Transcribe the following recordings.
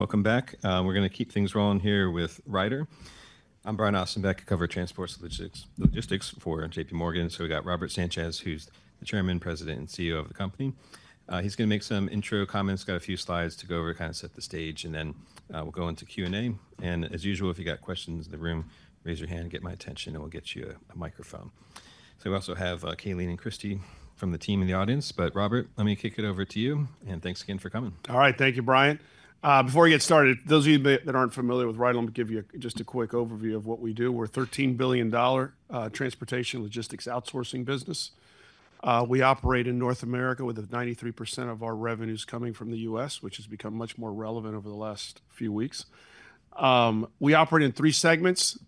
Welcome back. We're going to keep things rolling here with Ryder. I'm Brian Ossenbeck, who covers transport logistics for JPMorgan. We have Robert Sanchez, who's the Chairman, President, and CEO of the company. He's going to make some intro comments, got a few slides to go over to kind of set the stage, and then we'll go into Q&A. As usual, if you've got questions in the room, raise your hand, get my attention, and we'll get you a microphone. We also have Calene and Christy from the team in the audience. Robert, let me kick it over to you, and thanks again for coming. All right, thank you, Brian. Before we get started, those of you that aren't familiar with Ryder, let me give you just a quick overview of what we do. We're a $13 billion transportation logistics outsourcing business. We operate in North America with 93% of our revenues coming from the U.S., which has become much more relevant over the last few weeks. We operate in three segments: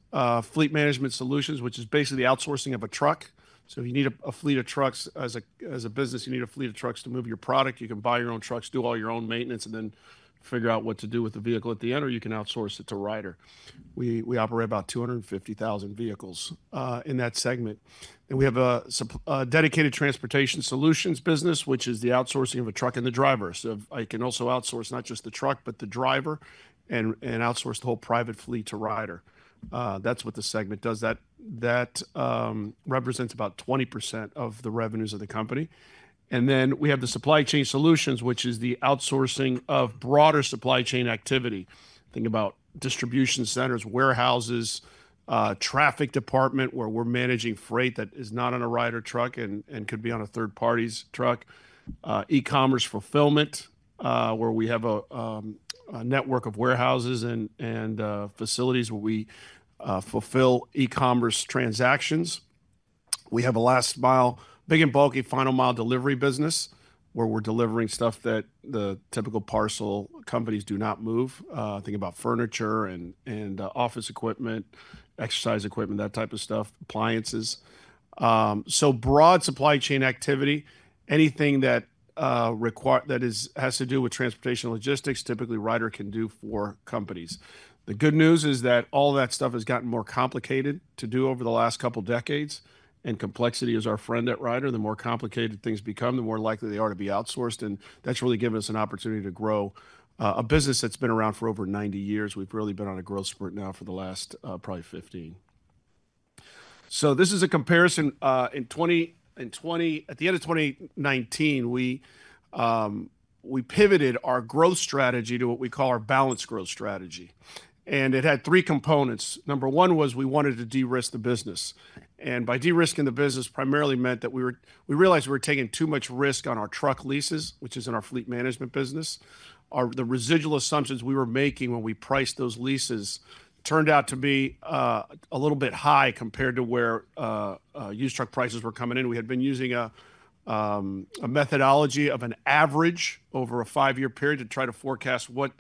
fleet management solutions, which is basically the outsourcing of a truck. So if you need a fleet of trucks as a business, you need a fleet of trucks to move your product. You can buy your own trucks, do all your own maintenance, and then figure out what to do with the vehicle at the end, or you can outsource it to Ryder. We operate about 250,000 vehicles in that segment. We have a Dedicated Transportation Solutions business, which is the outsourcing of a truck and the driver. I can also outsource not just the truck, but the driver, and outsource the whole private fleet to Ryder. That is what the segment does. That represents about 20% of the revenues of the company. We have the Supply Chain Solutions, which is the outsourcing of broader supply chain activity. Think about distribution centers, warehouses, traffic department, where we are managing freight that is not on a Ryder truck and could be on a third party's truck. E-commerce fulfillment, where we have a network of warehouses and facilities where we fulfill e-commerce transactions. We have a last mile, big and bulky final mile delivery business, where we are delivering stuff that the typical parcel companies do not move. Think about furniture and office equipment, exercise equipment, that type of stuff, appliances. Broad supply chain activity, anything that has to do with transportation logistics, typically Ryder can do for companies. The good news is that all that stuff has gotten more complicated to do over the last couple of decades. Complexity is our friend at Ryder. The more complicated things become, the more likely they are to be outsourced. That has really given us an opportunity to grow a business that has been around for over 90 years. We have really been on a growth sprint now for the last probably 15. This is a comparison. At the end of 2019, we pivoted our growth strategy to what we call our balanced growth strategy. It had three components. Number one was we wanted to de-risk the business. By de-risking the business, primarily meant that we realized we were taking too much risk on our truck leases, which is in our fleet management business. The residual assumptions we were making when we priced those leases turned out to be a little bit high compared to where used truck prices were coming in. We had been using a methodology of an average over a five-year period to try to forecast what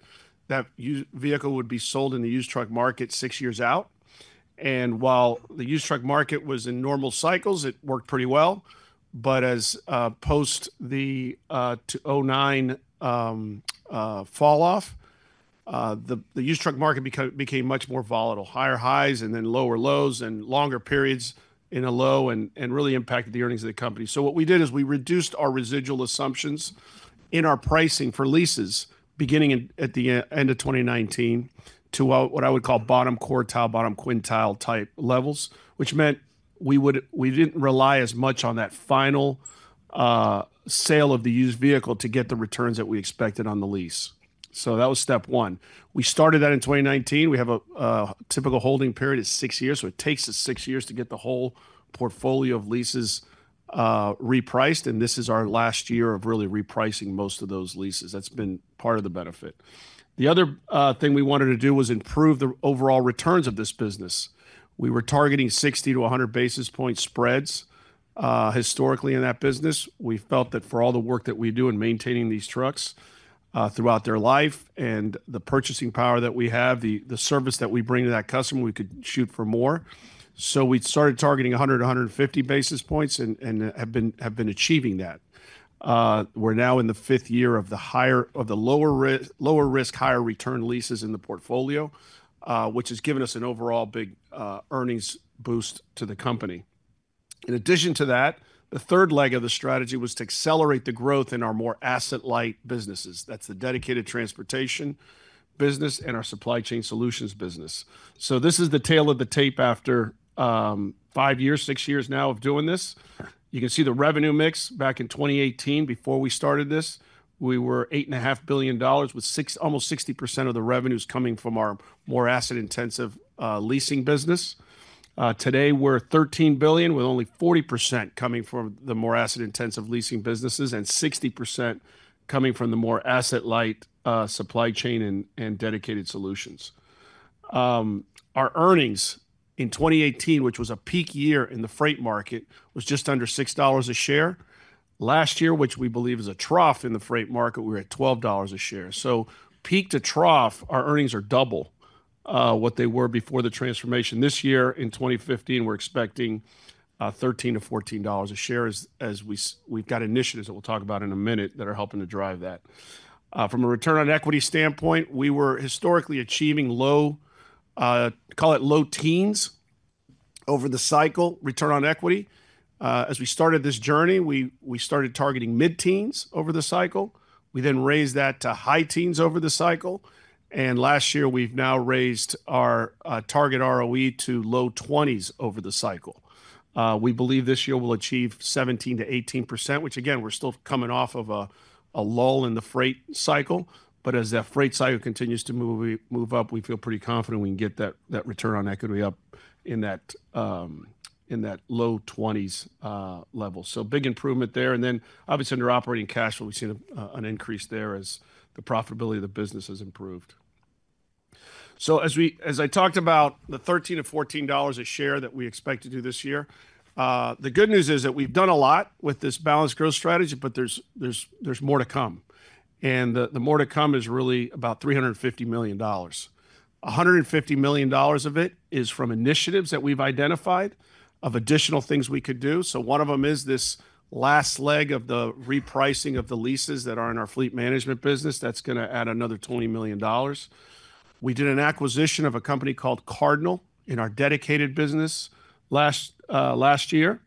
that vehicle would be sold in the used truck market six years out. While the used truck market was in normal cycles, it worked pretty well. As post the 2009 falloff, the used truck market became much more volatile, higher highs and then lower lows and longer periods in a low and really impacted the earnings of the company. What we did is we reduced our residual assumptions in our pricing for leases beginning at the end of 2019 to what I would call bottom quartile, bottom quintile type levels, which meant we did not rely as much on that final sale of the used vehicle to get the returns that we expected on the lease. That was step one. We started that in 2019. We have a typical holding period of six years. It takes six years to get the whole portfolio of leases repriced. This is our last year of really repricing most of those leases. That has been part of the benefit. The other thing we wanted to do was improve the overall returns of this business. We were targeting 60-100 basis point spreads historically in that business. We felt that for all the work that we do in maintaining these trucks throughout their life and the purchasing power that we have, the service that we bring to that customer, we could shoot for more. We started targeting 100-150 basis points and have been achieving that. We are now in the fifth year of the lower risk, higher return leases in the portfolio, which has given us an overall big earnings boost to the company. In addition to that, the third leg of the strategy was to accelerate the growth in our more asset-light businesses. That is the dedicated transportation business and our supply chain solutions business. This is the tail of the tape after five years, six years now of doing this. You can see the revenue mix back in 2018. Before we started this, we were $8.5 billion, with almost 60% of the revenues coming from our more asset-intensive leasing business. Today, we're $13 billion, with only 40% coming from the more asset-intensive leasing businesses and 60% coming from the more asset-light supply chain and dedicated solutions. Our earnings in 2018, which was a peak year in the freight market, was just under $6 a share. Last year, which we believe is a trough in the freight market, we were at $12 a share. Peak to trough, our earnings are double what they were before the transformation. This year, in 2024, we're expecting $13-$14 a share as we've got initiatives that we'll talk about in a minute that are helping to drive that. From a return on equity standpoint, we were historically achieving low, call it low teens over the cycle return on equity. As we started this journey, we started targeting mid-teens over the cycle. We then raised that to high teens over the cycle. Last year, we've now raised our target ROE to low 20s over the cycle. We believe this year we'll achieve 17%-18%, which again, we're still coming off of a lull in the freight cycle. As that freight cycle continues to move up, we feel pretty confident we can get that return on equity up in that low 20s level. Big improvement there. Obviously under operating cash flow, we've seen an increase there as the profitability of the business has improved. As I talked about the $13-$14 a share that we expect to do this year, the good news is that we've done a lot with this balanced growth strategy, but there's more to come. The more to come is really about $350 million. $150 million of it is from initiatives that we've identified of additional things we could do. One of them is this last leg of the repricing of the leases that are in our fleet management business that's going to add another $20 million. We did an acquisition of a company called Cardinal in our dedicated business last year.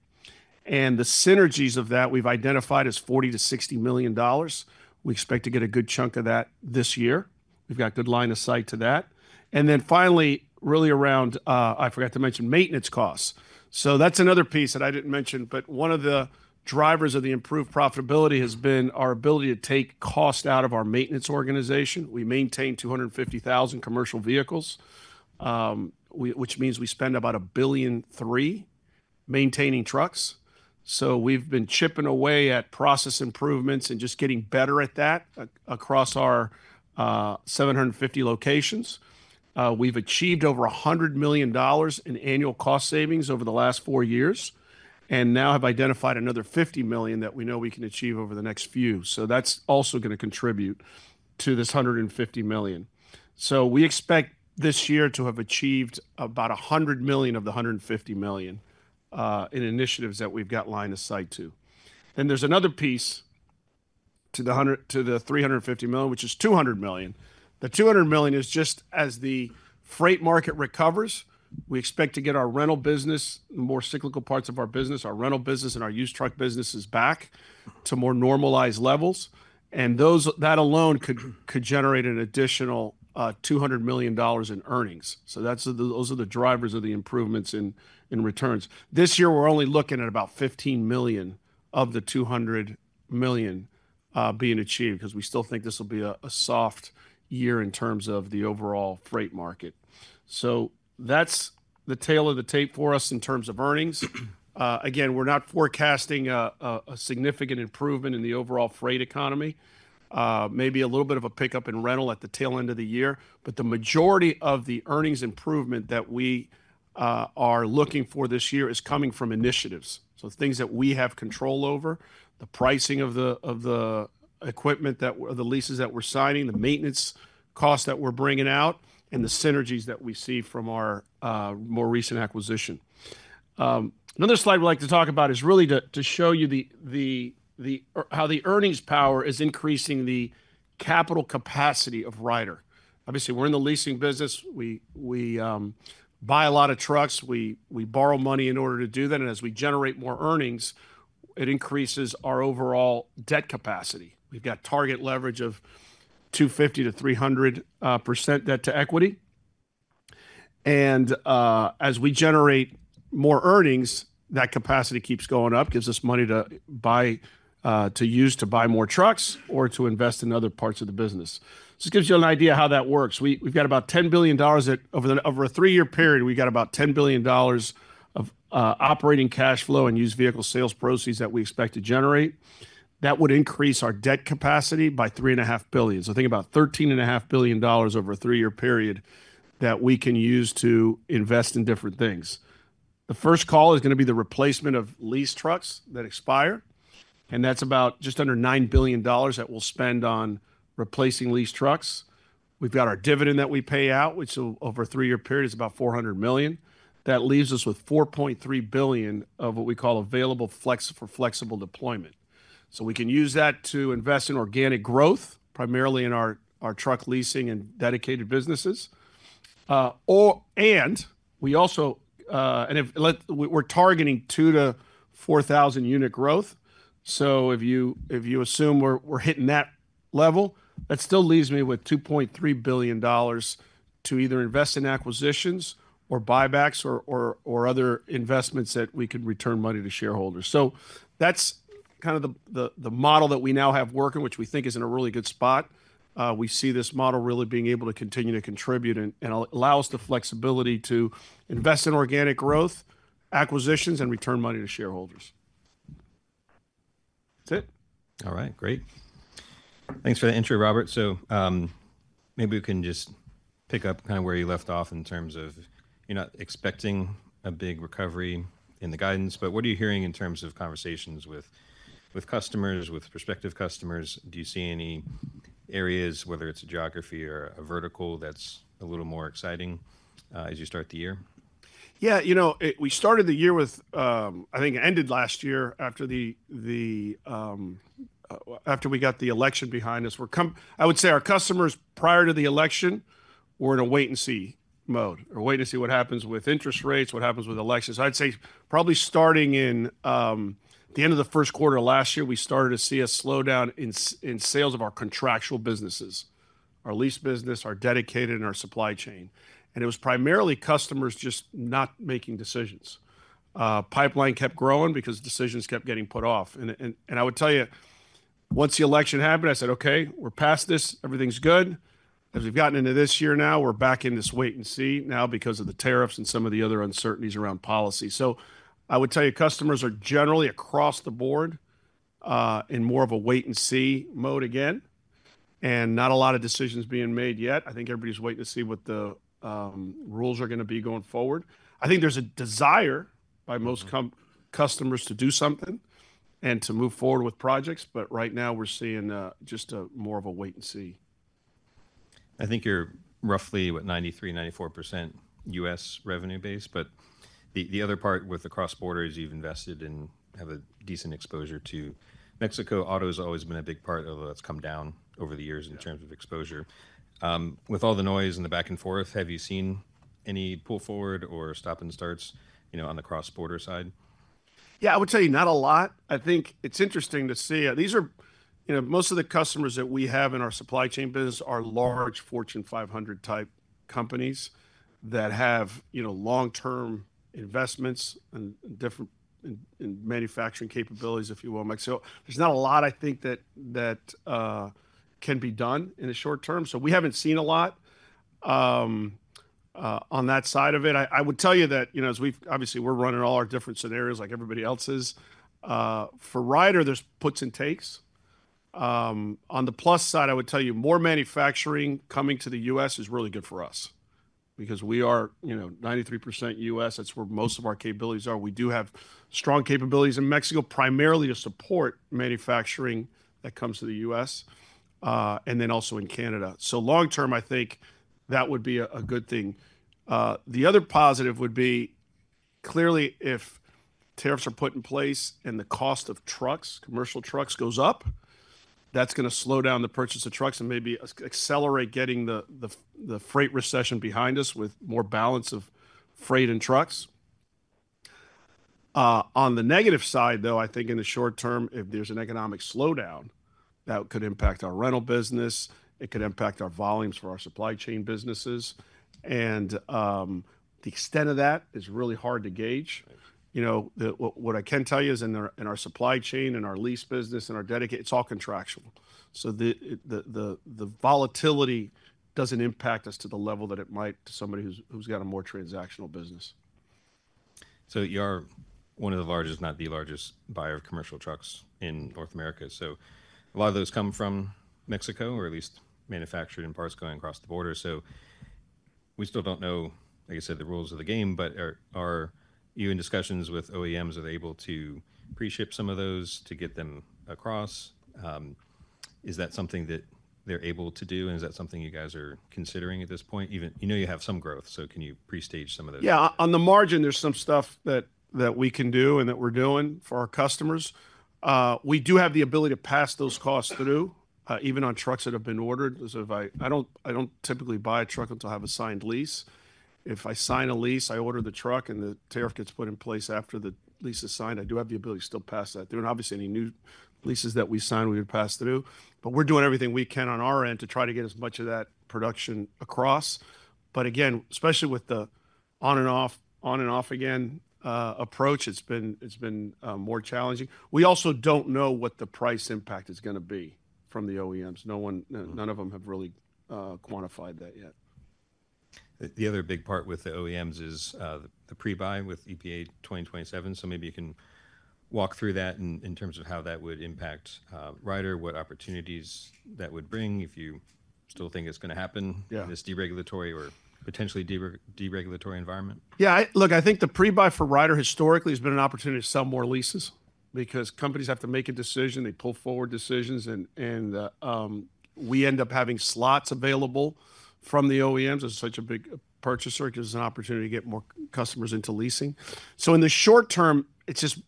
The synergies of that we've identified as $40 million-$60 million. We expect to get a good chunk of that this year. We've got good line of sight to that. Finally, really around, I forgot to mention maintenance costs. That's another piece that I didn't mention, but one of the drivers of the improved profitability has been our ability to take cost out of our maintenance organization. We maintain 250,000 commercial vehicles, which means we spend about $1.3 billion maintaining trucks. We have been chipping away at process improvements and just getting better at that across our 750 locations. We have achieved over $100 million in annual cost savings over the last four years and now have identified another $50 million that we know we can achieve over the next few. That is also going to contribute to this $150 million. We expect this year to have achieved about $100 million of the $150 million in initiatives that we have got line of sight to. There is another piece to the $350 million, which is $200 million. The $200 million is just as the freight market recovers, we expect to get our rental business, the more cyclical parts of our business, our rental business and our used truck businesses back to more normalized levels. That alone could generate an additional $200 million in earnings. Those are the drivers of the improvements in returns. This year, we're only looking at about $15 million of the $200 million being achieved because we still think this will be a soft year in terms of the overall freight market. That is the tail of the tape for us in terms of earnings. Again, we're not forecasting a significant improvement in the overall freight economy. Maybe a little bit of a pickup in rental at the tail end of the year. The majority of the earnings improvement that we are looking for this year is coming from initiatives. Things that we have control over, the pricing of the equipment, the leases that we're signing, the maintenance costs that we're bringing out, and the synergies that we see from our more recent acquisition. Another slide we'd like to talk about is really to show you how the earnings power is increasing the capital capacity of Ryder. Obviously, we're in the leasing business. We buy a lot of trucks. We borrow money in order to do that. As we generate more earnings, it increases our overall debt capacity. We've got target leverage of 250%-300% debt to equity. As we generate more earnings, that capacity keeps going up, gives us money to use to buy more trucks or to invest in other parts of the business. This gives you an idea of how that works. We've got about $10 billion. Over a three-year period, we've got about $10 billion of operating cash flow and used vehicle sales proceeds that we expect to generate. That would increase our debt capacity by $3.5 billion. Think about $13.5 billion over a three-year period that we can use to invest in different things. The first call is going to be the replacement of lease trucks that expire. That is just under $9 billion that we will spend on replacing lease trucks. We have our dividend that we pay out, which over a three-year period is about $400 million. That leaves us with $4.3 billion of what we call available for flexible deployment. We can use that to invest in organic growth, primarily in our truck leasing and dedicated businesses. We are targeting 2,000-4,000 unit growth. If you assume we are hitting that level, that still leaves me with $2.3 billion to either invest in acquisitions or buybacks or other investments that we could return money to shareholders. That is kind of the model that we now have working, which we think is in a really good spot. We see this model really being able to continue to contribute and allow us the flexibility to invest in organic growth, acquisitions, and return money to shareholders. That is it. All right. Great. Thanks for the intro, Robert. Maybe we can just pick up kind of where you left off in terms of you are not expecting a big recovery in the guidance. What are you hearing in terms of conversations with customers, with prospective customers? Do you see any areas, whether it is a geography or a vertical, that is a little more exciting as you start the year? Yeah. You know, we started the year with, I think ended last year after we got the election behind us. I would say our customers prior to the election were in a wait-and-see mode or waiting to see what happens with interest rates, what happens with elections. I'd say probably starting in the end of the first quarter of last year, we started to see a slowdown in sales of our contractual businesses, our lease business, our dedicated, and our supply chain. It was primarily customers just not making decisions. Pipeline kept growing because decisions kept getting put off. I would tell you, once the election happened, I said, "Okay, we're past this. Everything's good." As we've gotten into this year now, we're back in this wait-and-see now because of the tariffs and some of the other uncertainties around policy. I would tell you, customers are generally across the board in more of a wait-and-see mode again and not a lot of decisions being made yet. I think everybody's waiting to see what the rules are going to be going forward. I think there's a desire by most customers to do something and to move forward with projects. Right now, we're seeing just more of a wait-and-see. I think you're roughly what, 93%-94% U.S. revenue base. The other part with the cross-border is you've invested and have a decent exposure to Mexico. Auto has always been a big part of what's come down over the years in terms of exposure. With all the noise and the back and forth, have you seen any pull forward or stop and starts on the cross-border side? Yeah, I would tell you not a lot. I think it's interesting to see. Most of the customers that we have in our supply chain business are large Fortune 500 type companies that have long-term investments and different manufacturing capabilities, if you will. There is not a lot, I think, that can be done in the short term. We have not seen a lot on that side of it. I would tell you that as we have obviously, we are running all our different scenarios like everybody else is. For Ryder, there are puts and takes. On the plus side, I would tell you more manufacturing coming to the U.S. is really good for us because we are 93% U.S. That is where most of our capabilities are. We do have strong capabilities in Mexico, primarily to support manufacturing that comes to the U.S. and then also in Canada. Long term, I think that would be a good thing. The other positive would be clearly if tariffs are put in place and the cost of trucks, commercial trucks, goes up, that's going to slow down the purchase of trucks and maybe accelerate getting the freight recession behind us with more balance of freight and trucks. On the negative side, though, I think in the short term, if there's an economic slowdown, that could impact our rental business. It could impact our volumes for our supply chain businesses. The extent of that is really hard to gauge. What I can tell you is in our supply chain and our lease business and our dedicated, it's all contractual. The volatility does not impact us to the level that it might to somebody who's got a more transactional business. You're one of the largest, not the largest buyer of commercial trucks in North America. A lot of those come from Mexico, or at least manufactured in parts going across the border. We still do not know, like I said, the rules of the game. Are you in discussions with OEMs? Are they able to pre-ship some of those to get them across? Is that something that they are able to do? Is that something you guys are considering at this point? You know you have some growth, so can you pre-stage some of those? Yeah. On the margin, there is some stuff that we can do and that we are doing for our customers. We do have the ability to pass those costs through, even on trucks that have been ordered. I do not typically buy a truck until I have a signed lease. If I sign a lease, I order the truck and the tariff gets put in place after the lease is signed. I do have the ability to still pass that through. Obviously, any new leases that we sign, we would pass through. We are doing everything we can on our end to try to get as much of that production across. Again, especially with the on and off, on and off again approach, it has been more challenging. We also do not know what the price impact is going to be from the OEMs. None of them have really quantified that yet. The other big part with the OEMs is the pre-buy with EPA 2027. Maybe you can walk through that in terms of how that would impact Ryder, what opportunities that would bring if you still think it is going to happen in this deregulatory or potentially deregulatory environment. Yeah. Look, I think the pre-buy for Ryder historically has been an opportunity to sell more leases because companies have to make a decision. They pull forward decisions. We end up having slots available from the OEMs. It's such a big purchaser because it's an opportunity to get more customers into leasing. In the short term, it's just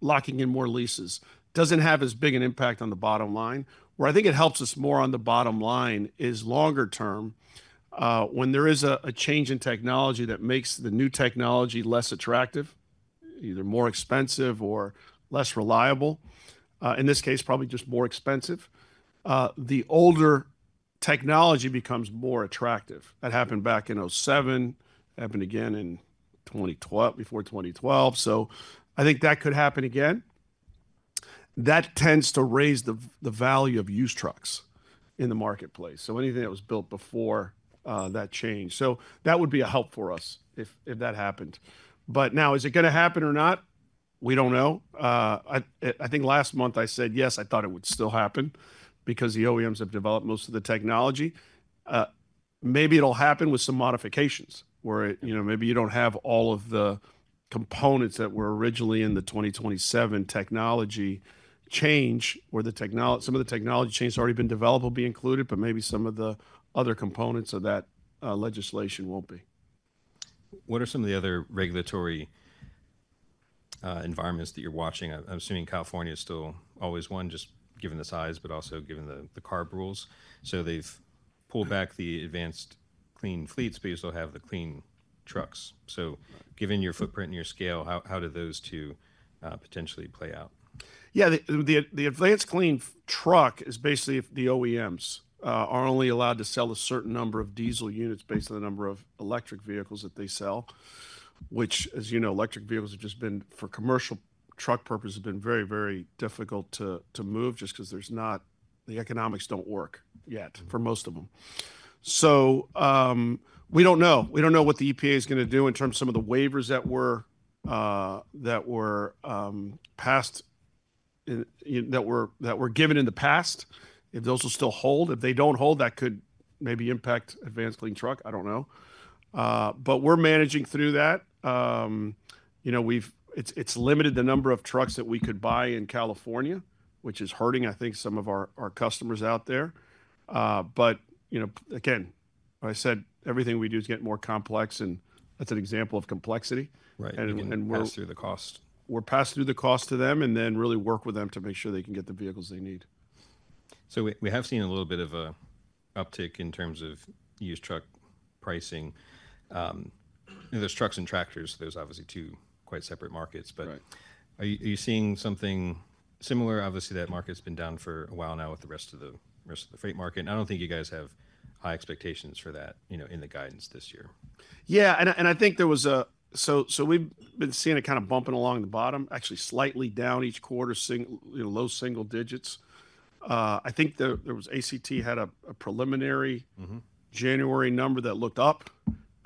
locking in more leases. It does not have as big an impact on the bottom line. Where I think it helps us more on the bottom line is longer term. When there is a change in technology that makes the new technology less attractive, either more expensive or less reliable, in this case, probably just more expensive, the older technology becomes more attractive. That happened back in 2007, happened again before 2012. I think that could happen again. That tends to raise the value of used trucks in the marketplace. Anything that was built before that change, that would be a help for us if that happened. Now, is it going to happen or not? We don't know. I think last month I said, "Yes, I thought it would still happen because the OEMs have developed most of the technology." Maybe it'll happen with some modifications where maybe you don't have all of the components that were originally in the 2027 technology change, where some of the technology change that has already been developed will be included, but maybe some of the other components of that legislation won't be. What are some of the other regulatory environments that you're watching? I'm assuming California is still always one, just given the size, but also given the CARB rules. They've pulled back the Advanced Clean Fleets, but you still have the Clean Trucks. Given your footprint and your scale, how do those two potentially play out? Yeah. The advanced clean truck is basically the OEMs are only allowed to sell a certain number of diesel units based on the number of electric vehicles that they sell, which, as you know, electric vehicles have just been for commercial truck purposes have been very, very difficult to move just because the economics do not work yet for most of them. We do not know. We do not know what the EPA is going to do in terms of some of the waivers that were passed that were given in the past, if those will still hold. If they do not hold, that could maybe impact advanced clean truck. I do not know. We are managing through that. It's limited the number of trucks that we could buy in California, which is hurting, I think, some of our customers out there. Everything we do is getting more complex. That's an example of complexity. Right. We're passed through the cost. We're passed through the cost to them and then really work with them to make sure they can get the vehicles they need. We have seen a little bit of an uptick in terms of used truck pricing. There's trucks and tractors. There's obviously two quite separate markets. Are you seeing something similar? Obviously, that market's been down for a while now with the rest of the freight market. I don't think you guys have high expectations for that in the guidance this year. Yeah. I think there was a, so we've been seeing it kind of bumping along the bottom, actually slightly down each quarter, low single digits. I think there was ACT had a preliminary January number that looked up.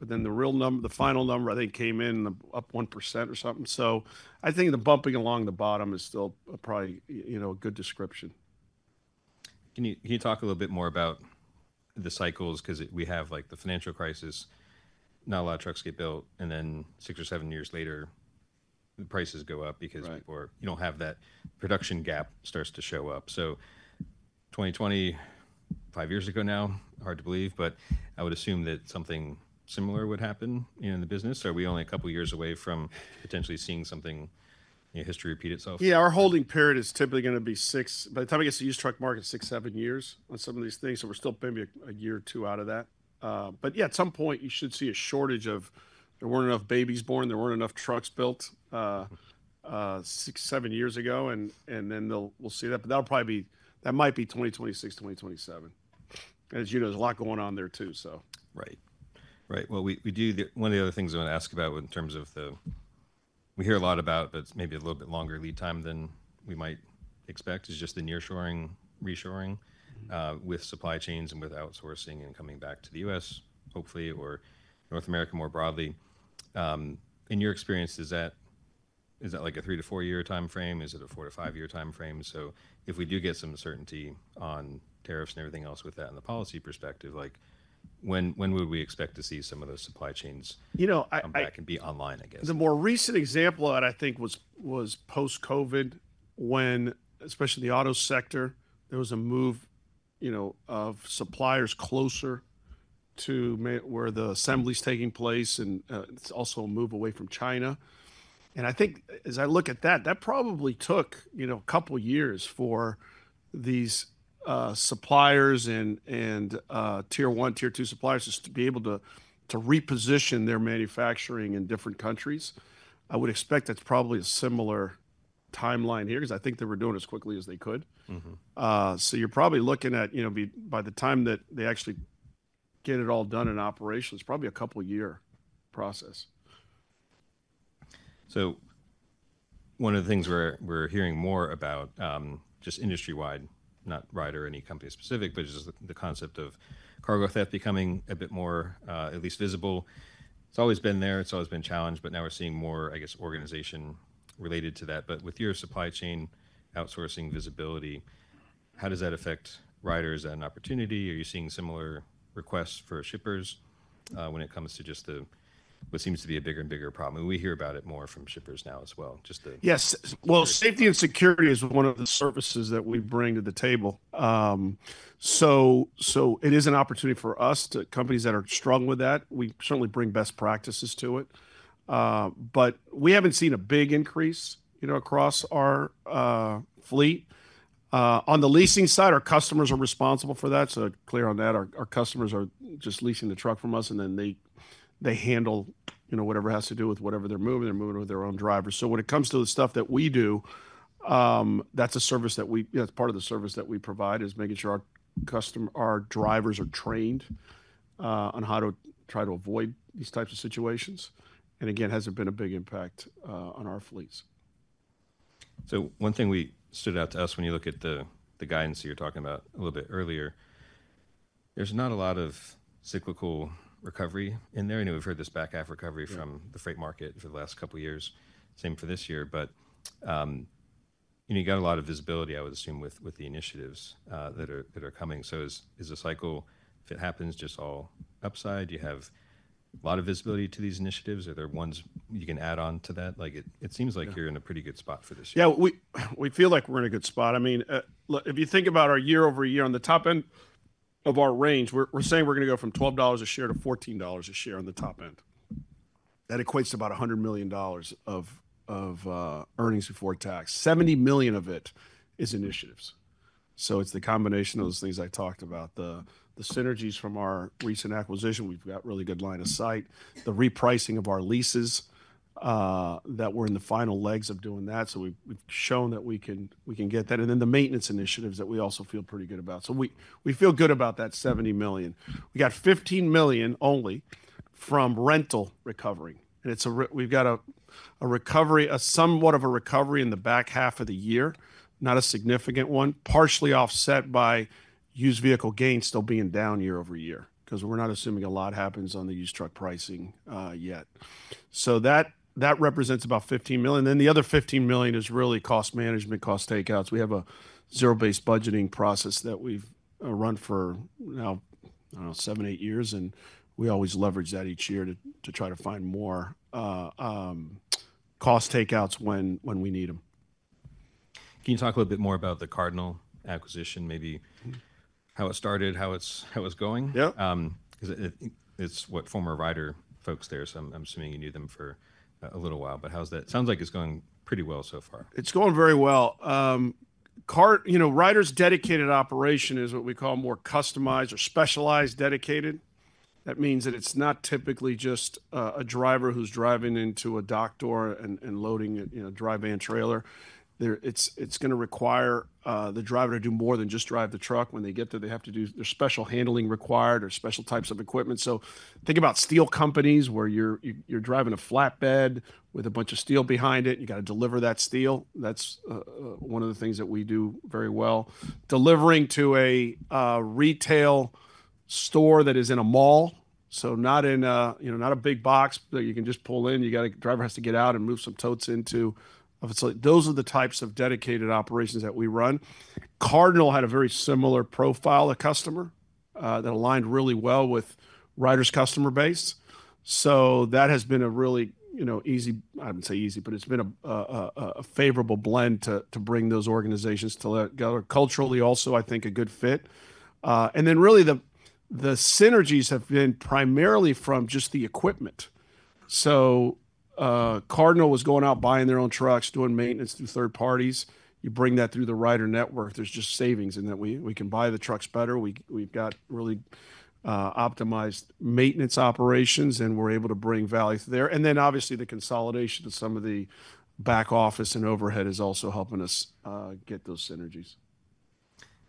The real number, the final number, I think came in up 1% or something. I think the bumping along the bottom is still probably a good description. Can you talk a little bit more about the cycles? We have the financial crisis, not a lot of trucks get built. Then six or seven years later, the prices go up because you don't have that production gap starts to show up. 2020, five years ago now, hard to believe. I would assume that something similar would happen in the business. Are we only a couple of years away from potentially seeing something in history repeat itself? Yeah. Our holding period is typically going to be six. By the time we get to the used truck market, six, seven years on some of these things. So we're still maybe a year or two out of that. Yeah, at some point, you should see a shortage of there weren't enough babies born. There weren't enough trucks built six, seven years ago. You will see that. That might be 2026, 2027. As you know, there's a lot going on there too. Right. Right. One of the other things I want to ask about in terms of the we hear a lot about, but it's maybe a little bit longer lead time than we might expect, is just the nearshoring, reshoring with supply chains and with outsourcing and coming back to the U.S., hopefully, or North America more broadly. In your experience, is that like a three to four-year time frame? Is it a four to five-year time frame? If we do get some certainty on tariffs and everything else with that in the policy perspective, when would we expect to see some of those supply chains? You know. That can be online, I guess. The more recent example of it, I think, was post-COVID when, especially in the auto sector, there was a move of suppliers closer to where the assembly is taking place and also a move away from China. I think, as I look at that, that probably took a couple of years for these suppliers and tier one, tier two suppliers just to be able to reposition their manufacturing in different countries. I would expect that's probably a similar timeline here because I think they were doing it as quickly as they could. You're probably looking at, by the time that they actually get it all done in operations, probably a couple-year process. One of the things we're hearing more about, just industry-wide, not Ryder or any company specific, but just the concept of cargo theft becoming a bit more at least visible. It's always been there. It's always been a challenge. Now we're seeing more, I guess, organization related to that. With your supply chain outsourcing visibility, how does that affect Ryder as an opportunity? Are you seeing similar requests for shippers when it comes to just what seems to be a bigger and bigger problem? We hear about it more from shippers now as well. Yes. Safety and security is one of the services that we bring to the table. It is an opportunity for us to companies that are strong with that. We certainly bring best practices to it. We haven't seen a big increase across our fleet. On the leasing side, our customers are responsible for that. Clear on that. Our customers are just leasing the truck from us, and then they handle whatever has to do with whatever they're moving. They're moving with their own drivers. When it comes to the stuff that we do, that's a service that we provide is making sure our drivers are trained on how to try to avoid these types of situations. Again, hasn't been a big impact on our fleets. One thing that stood out to us when you look at the guidance that you're talking about a little bit earlier, there's not a lot of cyclical recovery in there. I know we've heard this back-half recovery from the freight market for the last couple of years. Same for this year. You got a lot of visibility, I would assume, with the initiatives that are coming. Is the cycle, if it happens, just all upside? Do you have a lot of visibility to these initiatives? Are there ones you can add on to that? It seems like you're in a pretty good spot for this year. Yeah. We feel like we're in a good spot. I mean, if you think about our year-over-year on the top end of our range, we're saying we're going to go from $12 a share to $14 a share on the top end. That equates to about $100 million of earnings before tax. $70 million of it is initiatives. It's the combination of those things I talked about, the synergies from our recent acquisition. We've got a really good line of sight, the repricing of our leases that we're in the final legs of doing that. We've shown that we can get that. The maintenance initiatives we also feel pretty good about. We feel good about that $70 million. We got $15 million only from rental recovery. We've got somewhat of a recovery in the back half of the year, not a significant one, partially offset by used vehicle gains still being down year over year because we're not assuming a lot happens on the used truck pricing yet. That represents about $15 million. The other $15 million is really cost management, cost takeouts. We have a zero-based budgeting process that we've run for now, I don't know, seven, eight years. We always leverage that each year to try to find more cost takeouts when we need them. Can you talk a little bit more about the Cardinal acquisition, maybe how it started, how it's going? Yeah. Because it's what, former Ryder folks there. I'm assuming you knew them for a little while. How's that? Sounds like it's going pretty well so far. It's going very well. Ryder's dedicated operation is what we call more customized or specialized dedicated. That means that it's not typically just a driver who's driving into a dock door and loading a dry van trailer. It's going to require the driver to do more than just drive the truck. When they get there, they have to do their special handling required or special types of equipment. Think about steel companies where you're driving a flatbed with a bunch of steel behind it. You got to deliver that steel. That's one of the things that we do very well. Delivering to a retail store that is in a mall, not in a big box that you can just pull in. The driver has to get out and move some totes in. Those are the types of dedicated operations that we run. Cardinal had a very similar profile of customer that aligned really well with Ryder's customer base. That has been a really easy, I would not say easy, but it has been a favorable blend to bring those organizations together. Culturally, also, I think a good fit. Really, the synergies have been primarily from just the equipment. Cardinal was going out buying their own trucks, doing maintenance through third parties. You bring that through the Ryder network. There are just savings in that we can buy the trucks better. We have really optimized maintenance operations, and we are able to bring value there. Obviously, the consolidation of some of the back office and overhead is also helping us get those synergies.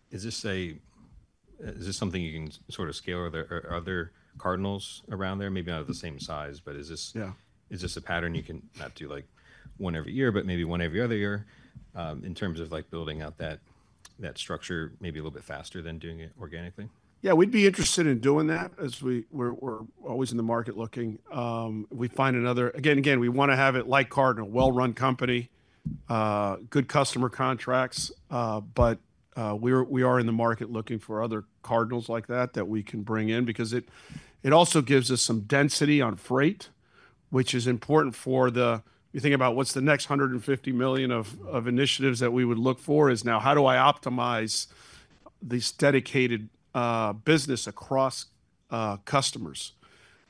Is this something you can sort of scale? Are there Cardinals around there? Maybe not at the same size, but is this a pattern you can not do one every year, but maybe one every other year in terms of building out that structure maybe a little bit faster than doing it organically? Yeah. We'd be interested in doing that as we're always in the market looking. We find another again, we want to have it like Cardinal, well-run company, good customer contracts. We are in the market looking for other Cardinals like that that we can bring in because it also gives us some density on freight, which is important for the if you think about what's the next $150 million of initiatives that we would look for is now, how do I optimize this dedicated business across customers?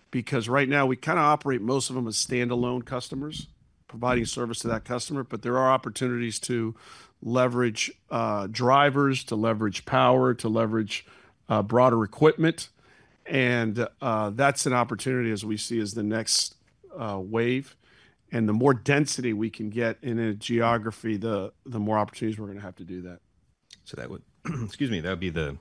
Because right now, we kind of operate most of them as standalone customers providing service to that customer. There are opportunities to leverage drivers, to leverage power, to leverage broader equipment. That is an opportunity, as we see, as the next wave. The more density we can get in a geography, the more opportunities we are going to have to do that. That would, excuse me, that would be the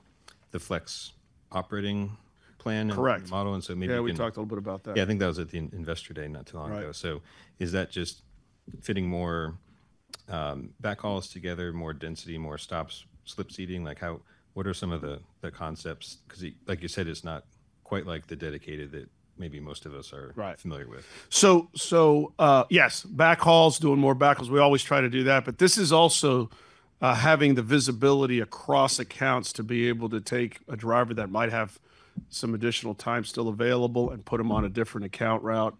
flex operating plan model. Maybe. Correct. Yeah. We talked a little bit about that. Yeah. I think that was at the investor day not too long ago. Is that just fitting more backhauls together, more density, more stops, slip seating? What are some of the concepts? Because, like you said, it is not quite like the dedicated that maybe most of us are familiar with. Yes, backhauls, doing more backhauls. We always try to do that. This is also having the visibility across accounts to be able to take a driver that might have some additional time still available and put them on a different account route,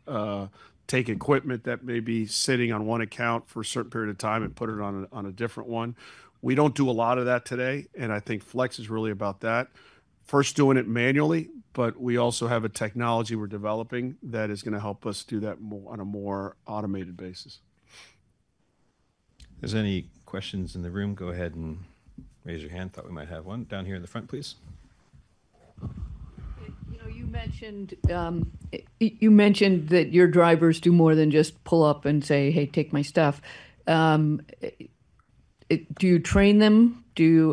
take equipment that may be sitting on one account for a certain period of time and put it on a different one. We do not do a lot of that today. I think flex is really about that, first doing it manually. We also have a technology we are developing that is going to help us do that on a more automated basis. If there are any questions in the room, go ahead and raise your hand. Thought we might have one. Down here in the front, please. You mentioned that your drivers do more than just pull up and say, "Hey, take my stuff." Do you train them?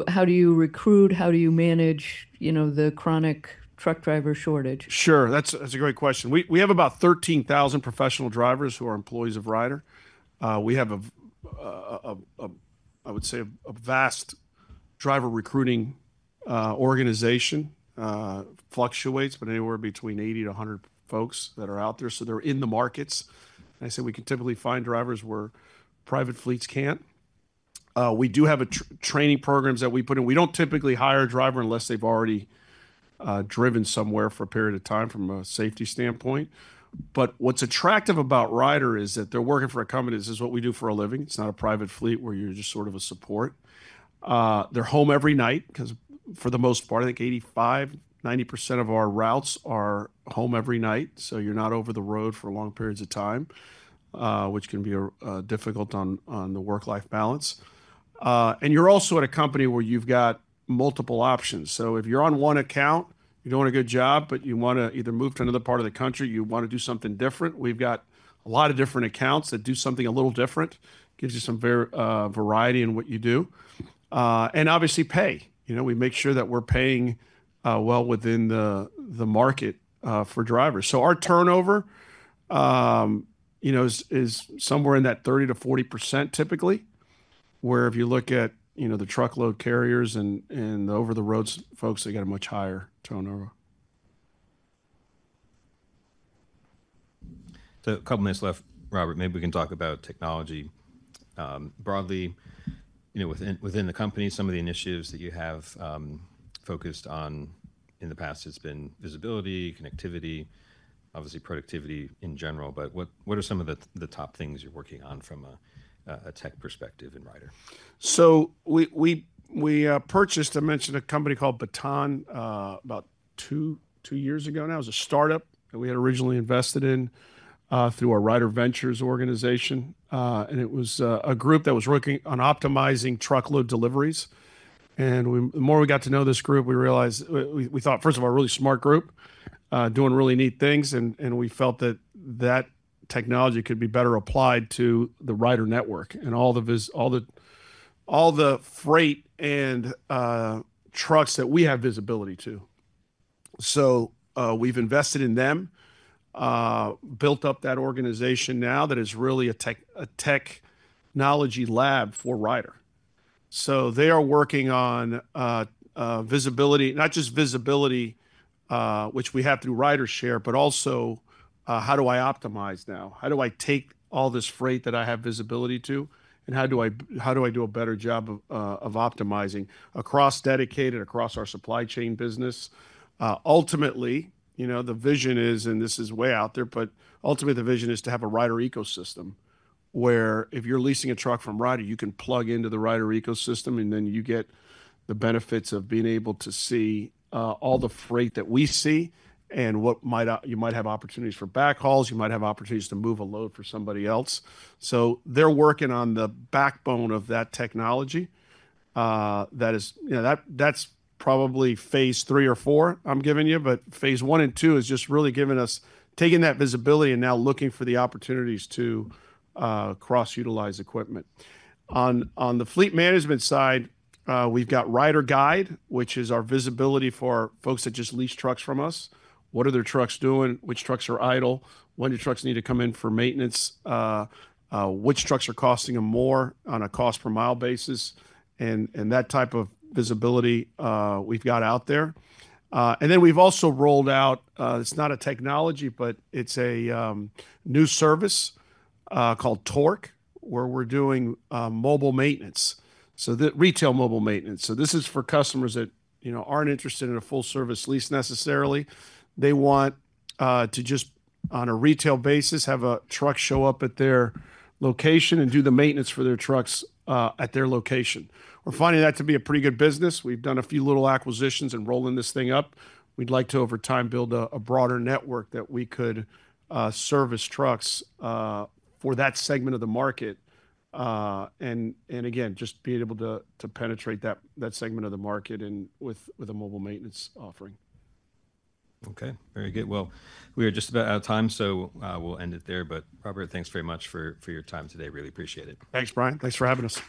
How do you recruit? How do you manage the chronic truck driver shortage? Sure. That's a great question. We have about 13,000 professional drivers who are employees of Ryder. We have, I would say, a vast driver recruiting organization. It fluctuates, but anywhere between 80-100 folks that are out there. They're in the markets. I say we can typically find drivers where private fleets can't. We do have training programs that we put in. We don't typically hire a driver unless they've already driven somewhere for a period of time from a safety standpoint. What's attractive about Ryder is that they're working for a company. This is what we do for a living. It's not a private fleet where you're just sort of a support. They're home every night because, for the most part, I think 85%-90% of our routes are home every night. You're not over the road for long periods of time, which can be difficult on the work-life balance. You're also at a company where you've got multiple options. If you're on one account, you're doing a good job, but you want to either move to another part of the country or you want to do something different, we've got a lot of different accounts that do something a little different, gives you some variety in what you do. Obviously, pay. We make sure that we're paying well within the market for drivers. Our turnover is somewhere in that 30%-40% range, typically, where if you look at the truckload carriers and the over-the-road folks, they've got a much higher turnover. A couple of minutes left, Robert. Maybe we can talk about technology broadly within the company. Some of the initiatives that you have focused on in the past, it's been visibility, connectivity, obviously, productivity in general. What are some of the top things you're working on from a tech perspective in Ryder? We purchased, I mentioned, a company called Baton about two years ago now. It was a startup that we had originally invested in through our Ryder Ventures organization. It was a group that was working on optimizing truckload deliveries. The more we got to know this group, we realized we thought, first of all, a really smart group doing really neat things. We felt that that technology could be better applied to the Ryder network and all the freight and trucks that we have visibility to. We have invested in them, built up that organization now that is really a technology lab for Ryder. They are working on visibility, not just visibility, which we have through Ryder Share, but also how do I optimize now? How do I take all this freight that I have visibility to? How do I do a better job of optimizing across dedicated, across our supply chain business? Ultimately, the vision is, and this is way out there, but ultimately, the vision is to have a Ryder ecosystem where if you are leasing a truck from Ryder, you can plug into the Ryder ecosystem, and then you get the benefits of being able to see all the freight that we see and what you might have opportunities for backhauls. You might have opportunities to move a load for somebody else. They are working on the backbone of that technology. That is probably phase three or four I am giving you. Phase one and two is just really taking that visibility and now looking for the opportunities to cross-utilize equipment. On the fleet management side, we've got Ryder Guide, which is our visibility for folks that just lease trucks from us. What are their trucks doing? Which trucks are idle? When do trucks need to come in for maintenance? Which trucks are costing them more on a cost-per-mile basis? That type of visibility we've got out there. We've also rolled out, it's not a technology, but it's a new service called Torque, where we're doing mobile maintenance, so retail mobile maintenance. This is for customers that aren't interested in a full-service lease necessarily. They want to just, on a retail basis, have a truck show up at their location and do the maintenance for their trucks at their location. We're finding that to be a pretty good business. We've done a few little acquisitions and rolling this thing up. We'd like to, over time, build a broader network that we could service trucks for that segment of the market. Again, just being able to penetrate that segment of the market with a mobile maintenance offering. Okay. Very good. We are just about out of time, so we'll end it there. Robert, thanks very much for your time today. Really appreciate it. Thanks, Brian. Thanks for having us.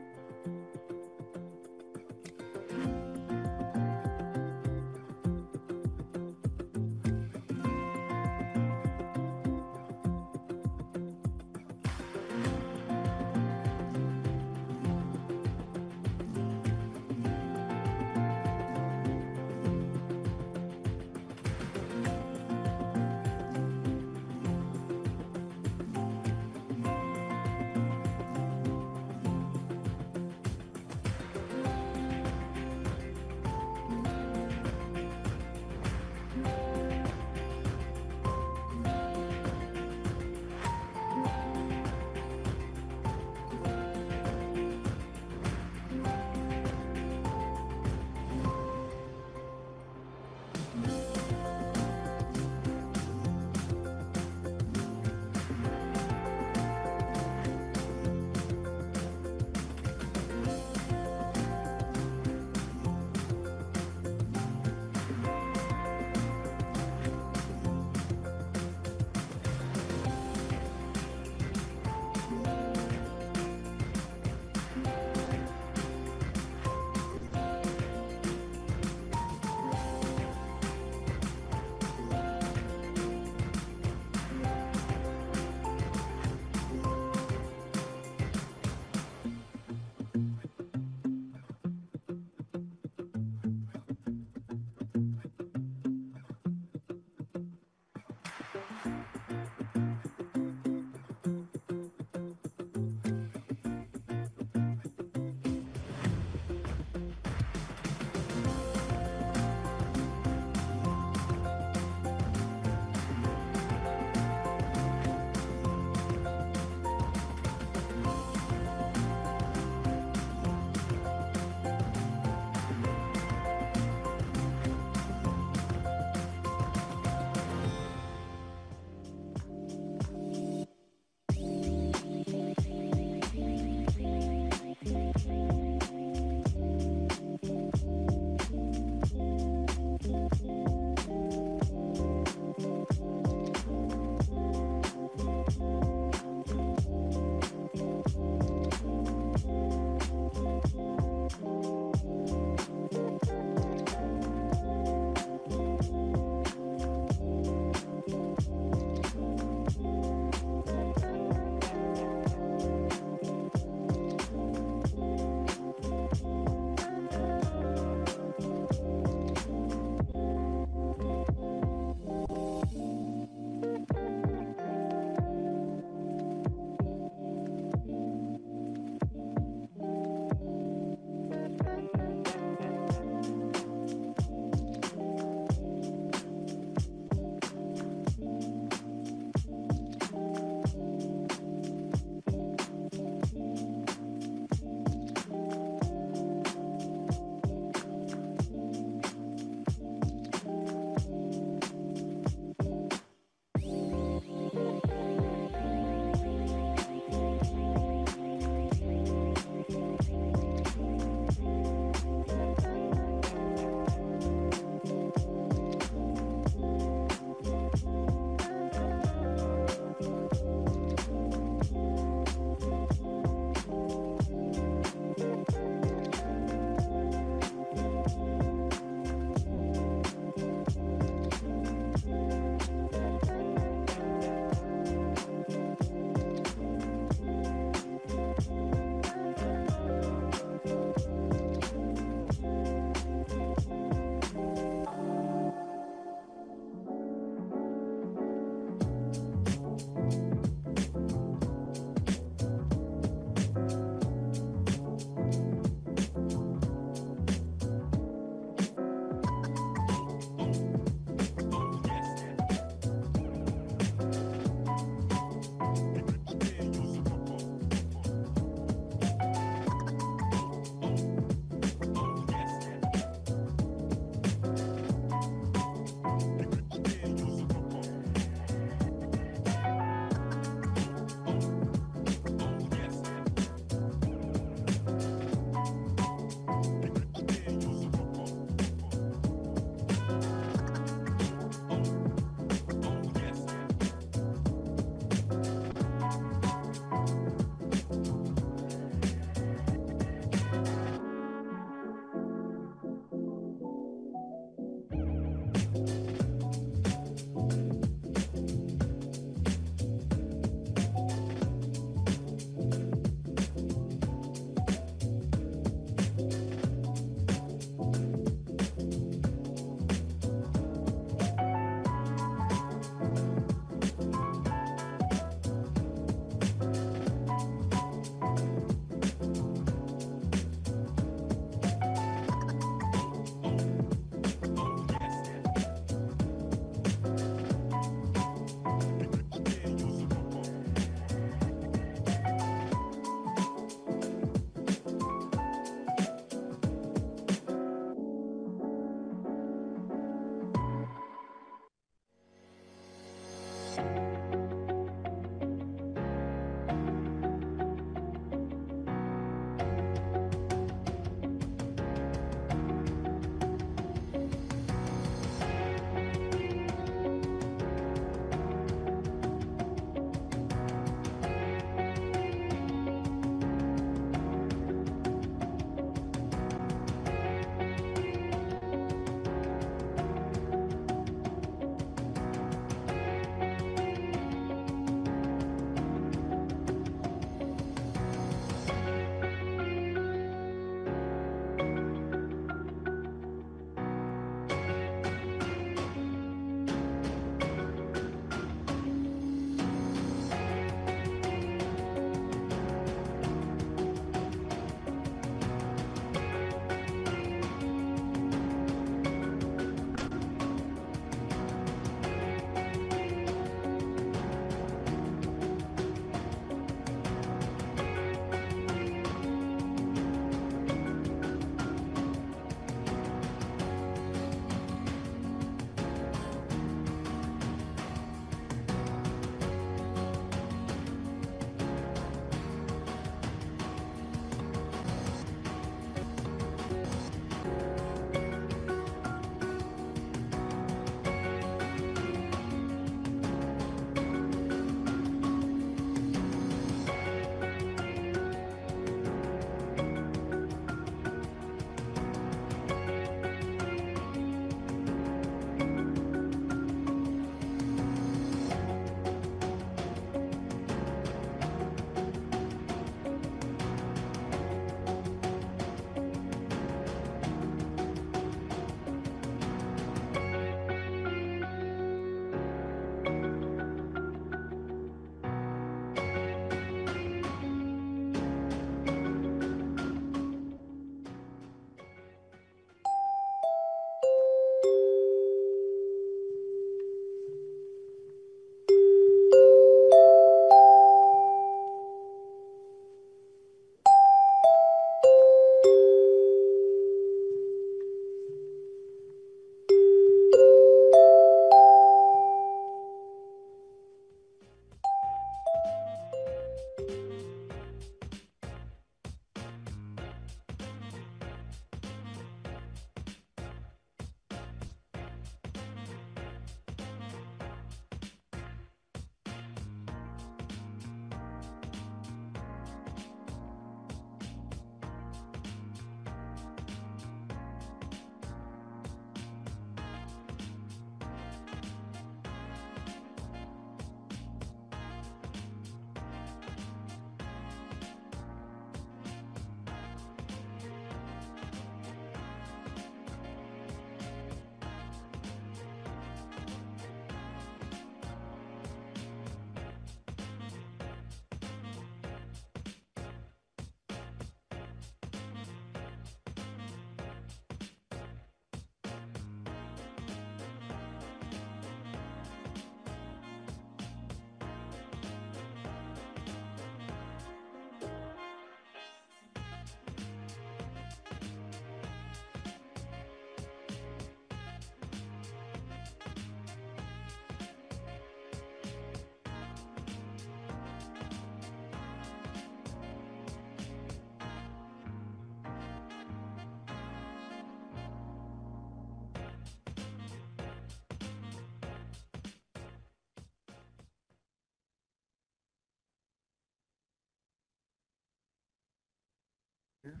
Here.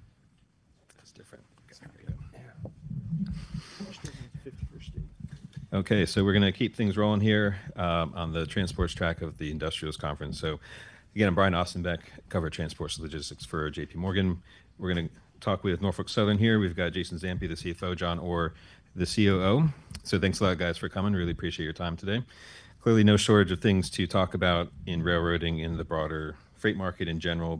It's different. We are going to keep things rolling here on the transports track of the Industrials Conference. Again, I'm Brian Ossenbeck, cover transports logistics for JPMorgan. We are going to talk with Norfolk Southern here. We've got Jason Zampi, the CFO, John Orr, the COO. Thanks a lot, guys, for coming. Really appreciate your time today. Clearly, no shortage of things to talk about in railroading in the broader freight market in general,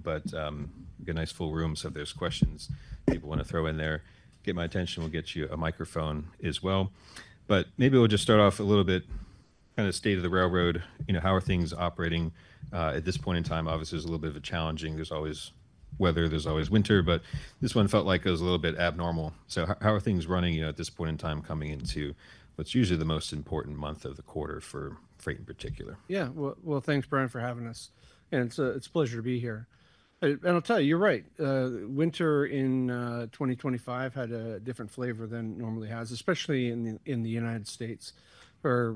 but we've got a nice full room. If there are questions people want to throw in there, get my attention. We'll get you a microphone as well. Maybe we'll just start off a little bit kind of state of the railroad. How are things operating at this point in time? Obviously, there's a little bit of a challenging. There's always weather. There's always winter. This one felt like it was a little bit abnormal. How are things running at this point in time coming into what's usually the most important month of the quarter for freight in particular? Yeah. Thanks, Brian, for having us. It's a pleasure to be here. I'll tell you, you're right. Winter in 2025 had a different flavor than it normally has, especially in the U.S.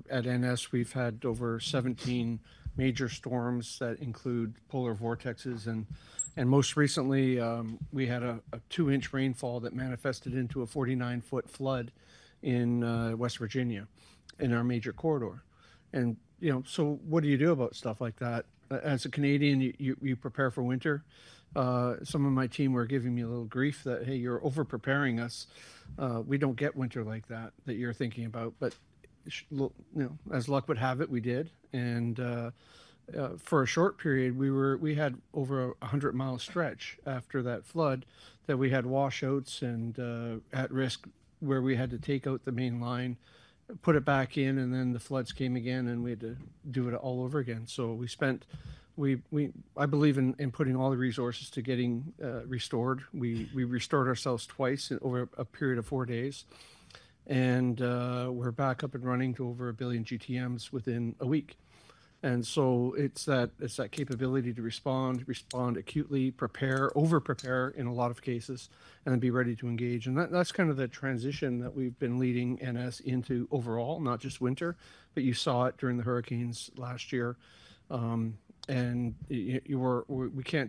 At NS, we've had over 17 major storms that include polar vortexes. Most recently, we had a 2-inch rainfall that manifested into a 49-foot flood in West Virginia in our major corridor. What do you do about stuff like that? As a Canadian, you prepare for winter. Some of my team were giving me a little grief that, "Hey, you're overpreparing us. We don't get winter like that that you're thinking about." As luck would have it, we did. For a short period, we had over a 100-mile stretch after that flood that we had wash-outs and at risk where we had to take out the main line, put it back in, and then the floods came again, and we had to do it all over again. I believe in putting all the resources to getting restored. We restored ourselves twice over a period of four days. We are back up and running to over a billion GTMs within a week. It is that capability to respond, respond acutely, prepare, overprepare in a lot of cases, and then be ready to engage. That is kind of the transition that we have been leading NS into overall, not just winter. You saw it during the hurricanes last year. We cannot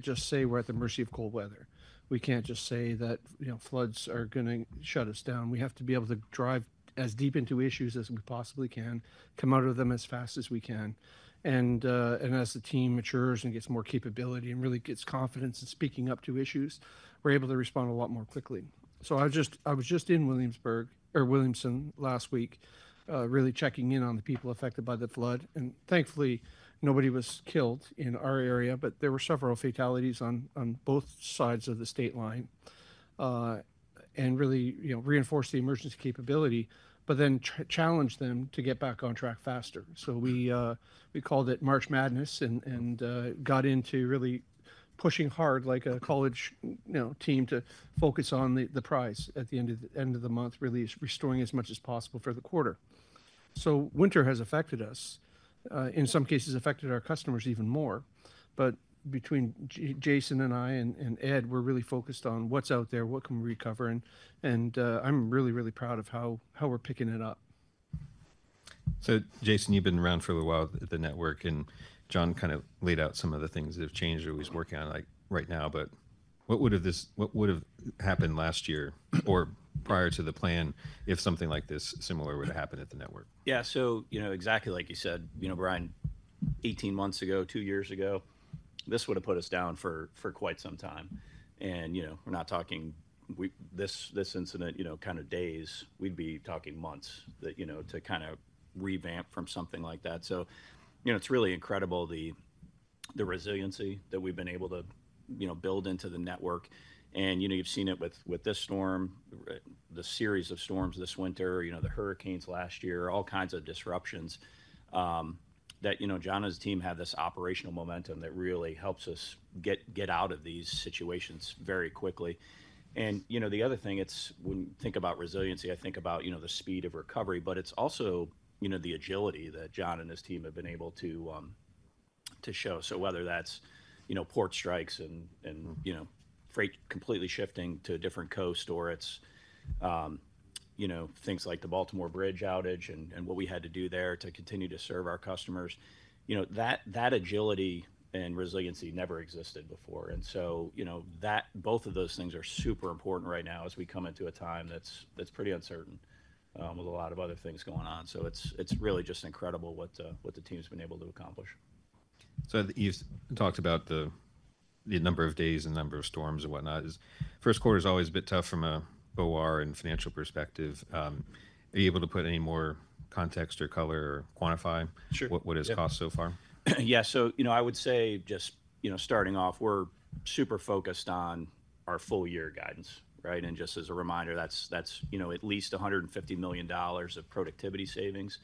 just say we are at the mercy of cold weather. We cannot just say that floods are going to shut us down. We have to be able to drive as deep into issues as we possibly can, come out of them as fast as we can. As the team matures and gets more capability and really gets confidence in speaking up to issues, we're able to respond a lot more quickly. I was just in Williamson last week, really checking in on the people affected by the flood. Thankfully, nobody was killed in our area, but there were several fatalities on both sides of the state line and it really reinforced the emergency capability, but then challenged them to get back on track faster. We called it March Madness and got into really pushing hard like a college team to focus on the prize at the end of the month, really restoring as much as possible for the quarter. Winter has affected us, in some cases, affected our customers even more. Between Jason and I and Ed, we're really focused on what's out there, what can we recover. I'm really, really proud of how we're picking it up. Jason, you've been around for a little while at the network, and John kind of laid out some of the things that have changed or he's working on right now. What would have happened last year or prior to the plan if something like this similar would have happened at the network? Yeah. Exactly like you said, Brian, 18 months ago, two years ago, this would have put us down for quite some time. We're not talking this incident kind of days. We'd be talking months to kind of revamp from something like that. It's really incredible the resiliency that we've been able to build into the network. You've seen it with this storm, the series of storms this winter, the hurricanes last year, all kinds of disruptions. John and his team had this operational momentum that really helps us get out of these situations very quickly. The other thing, when you think about resiliency, I think about the speed of recovery, but it's also the agility that John and his team have been able to show. Whether that's port strikes and freight completely shifting to a different coast, or it's things like the Baltimore Bridge outage and what we had to do there to continue to serve our customers, that agility and resiliency never existed before. Both of those things are super important right now as we come into a time that's pretty uncertain with a lot of other things going on. It's really just incredible what the team's been able to accomplish. You've talked about the number of days and number of storms and whatnot. First quarter is always a bit tough from a operating ratio and financial perspective. Are you able to put any more context or color or quantify what it has cost so far? Yeah. I would say just starting off, we're super focused on our full-year guidance, right? And just as a reminder, that's at least $150 million of productivity savings.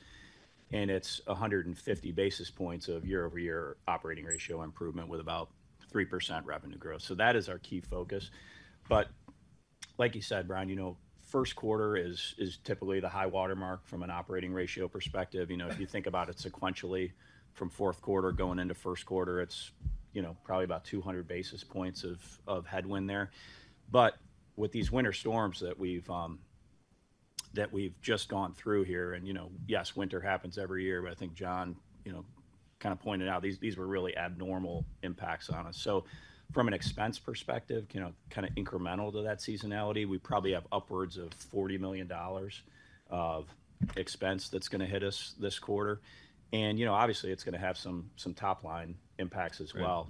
And it's 150 basis points of year-over-year operating ratio improvement with about 3% revenue growth. That is our key focus. Like you said, Brian, first quarter is typically the high watermark from an operating ratio perspective. If you think about it sequentially from fourth quarter going into first quarter, it's probably about 200 basis points of headwind there. With these winter storms that we have just gone through here, and yes, winter happens every year, I think John kind of pointed out these were really abnormal impacts on us. From an expense perspective, kind of incremental to that seasonality, we probably have upwards of $40 million of expense that is going to hit us this quarter. Obviously, it is going to have some top-line impacts as well.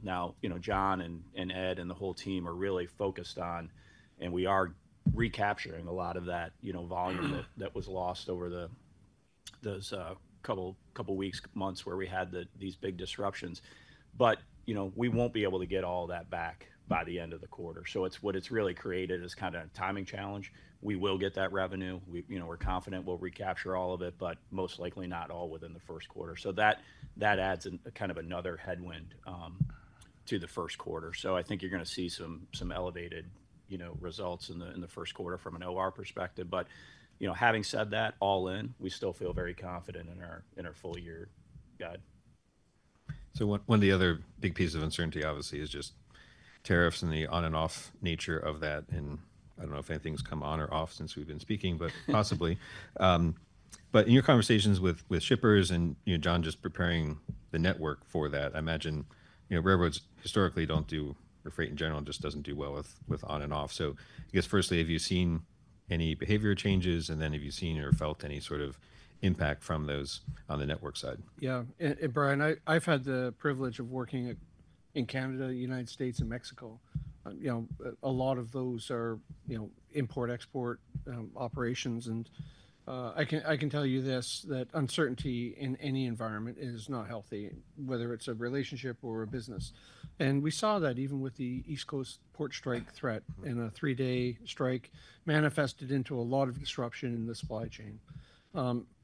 John and Ed and the whole team are really focused on, and we are recapturing a lot of that volume that was lost over those couple of weeks, months where we had these big disruptions. We will not be able to get all that back by the end of the quarter. What it has really created is kind of a timing challenge. We will get that revenue. We're confident we'll recapture all of it, but most likely not all within the first quarter. That adds kind of another headwind to the first quarter. I think you're going to see some elevated results in the first quarter from an OR perspective. Having said that, all in, we still feel very confident in our full-year guide. One of the other big pieces of uncertainty, obviously, is just tariffs and the on-and-off nature of that. I don't know if anything's come on or off since we've been speaking, but possibly. In your conversations with shippers and John just preparing the network for that, I imagine railroads historically don't do, or freight in general just doesn't do well with on-and-off. I guess, firstly, have you seen any behavior changes? Have you seen or felt any sort of impact from those on the network side? Yeah. Brian, I've had the privilege of working in Canada, the United States, and Mexico. A lot of those are import-export operations. I can tell you this, that uncertainty in any environment is not healthy, whether it's a relationship or a business. We saw that even with the East Coast port strike threat and a three-day strike manifested into a lot of disruption in the supply chain.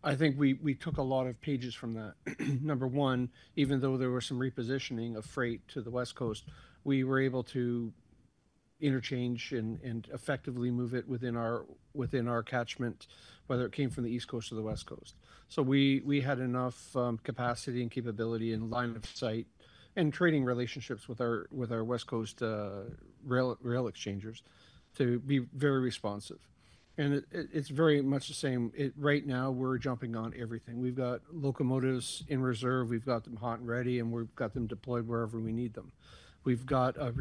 I think we took a lot of pages from that. Number one, even though there was some repositioning of freight to the West Coast, we were able to interchange and effectively move it within our catchment, whether it came from the East Coast or the West Coast. We had enough capacity and capability and line of sight and trading relationships with our West Coast rail exchangers to be very responsive. It is very much the same. Right now, we're jumping on everything. We've got locomotives in reserve. We've got them hot and ready, and we've got them deployed wherever we need them. We've got a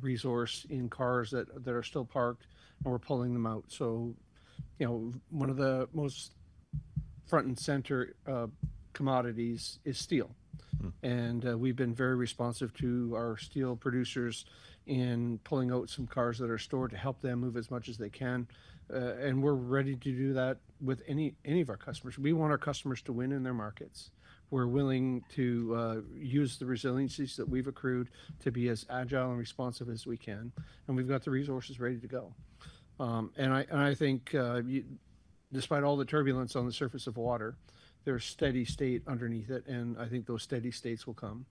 resource in cars that are still parked, and we're pulling them out. One of the most front-and-center commodities is steel. We've been very responsive to our steel producers in pulling out some cars that are stored to help them move as much as they can. We're ready to do that with any of our customers. We want our customers to win in their markets. We're willing to use the resiliencies that we've accrued to be as agile and responsive as we can. We have the resources ready to go. I think despite all the turbulence on the surface of water, there is steady state underneath it. I think those steady states will come.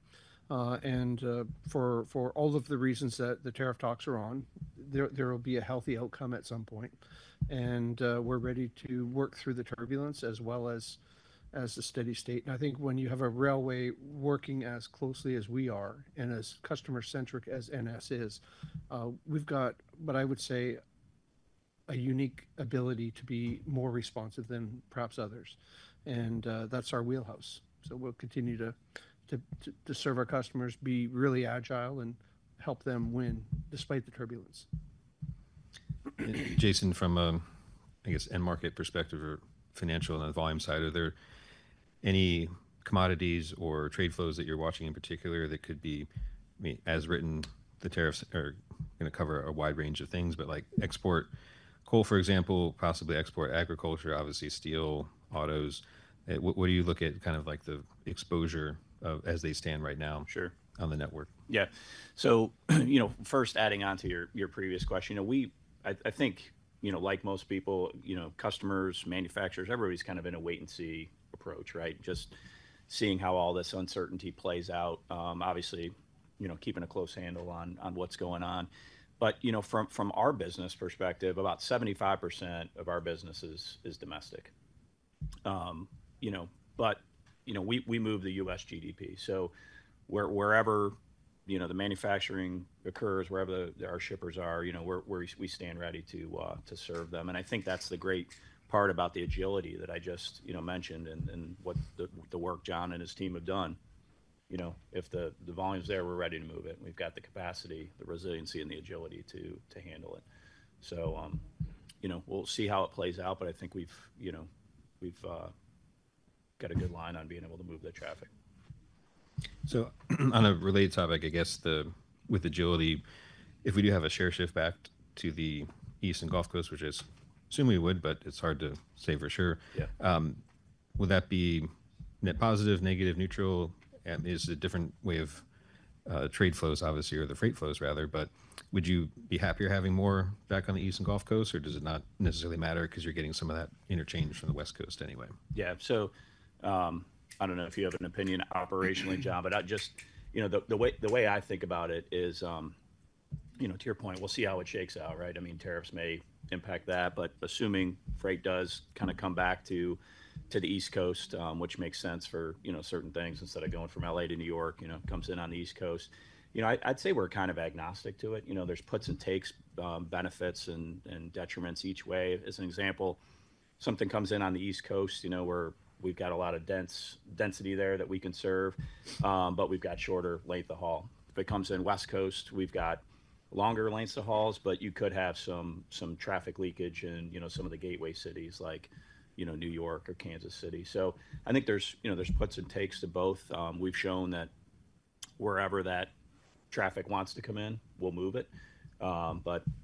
For all of the reasons that the tariff talks are on, there will be a healthy outcome at some point. We are ready to work through the turbulence as well as the steady state. I think when you have a railway working as closely as we are and as customer-centric as NS is, we have, what I would say, a unique ability to be more responsive than perhaps others. That is our wheelhouse. We will continue to serve our customers, be really agile, and help them win despite the turbulence. Jason, from a, I guess, end-market perspective or financial and the volume side, are there any commodities or trade flows that you're watching in particular that could be, as written, the tariffs are going to cover a wide range of things, but export coal, for example, possibly export agriculture, obviously steel, autos. What do you look at kind of the exposure as they stand right now on the network? Yeah. First, adding on to your previous question, I think, like most people, customers, manufacturers, everybody's kind of in a wait-and-see approach, right? Just seeing how all this uncertainty plays out, obviously keeping a close handle on what's going on. From our business perspective, about 75% of our business is domestic. We move the U.S. GDP. Wherever the manufacturing occurs, wherever our shippers are, we stand ready to serve them. I think that's the great part about the agility that I just mentioned and what the work John and his team have done. If the volume's there, we're ready to move it. We've got the capacity, the resiliency, and the agility to handle it. We'll see how it plays out, but I think we've got a good line on being able to move that traffic. On a related topic, I guess, with agility, if we do have a share shift back to the East and Gulf Coast, which I assume we would, but it's hard to say for sure, would that be net positive, negative, neutral? Is it a different way of trade flows, obviously, or the freight flows rather, but would you be happier having more back on the East and Gulf Coast, or does it not necessarily matter because you're getting some of that interchange from the West Coast anyway? Yeah. I don't know if you have an opinion operationally, John, but the way I think about it is, to your point, we'll see how it shakes out, right? I mean, tariffs may impact that, but assuming freight does kind of come back to the East Coast, which makes sense for certain things instead of going from LA to New York, comes in on the East Coast, I'd say we're kind of agnostic to it. There's puts and takes, benefits, and detriments each way. As an example, something comes in on the East Coast where we've got a lot of density there that we can serve, but we've got shorter length of haul. If it comes in West Coast, we've got longer lengths of hauls, but you could have some traffic leakage in some of the gateway cities like New York or Kansas City. I think there's puts and takes to both. We've shown that wherever that traffic wants to come in, we'll move it. I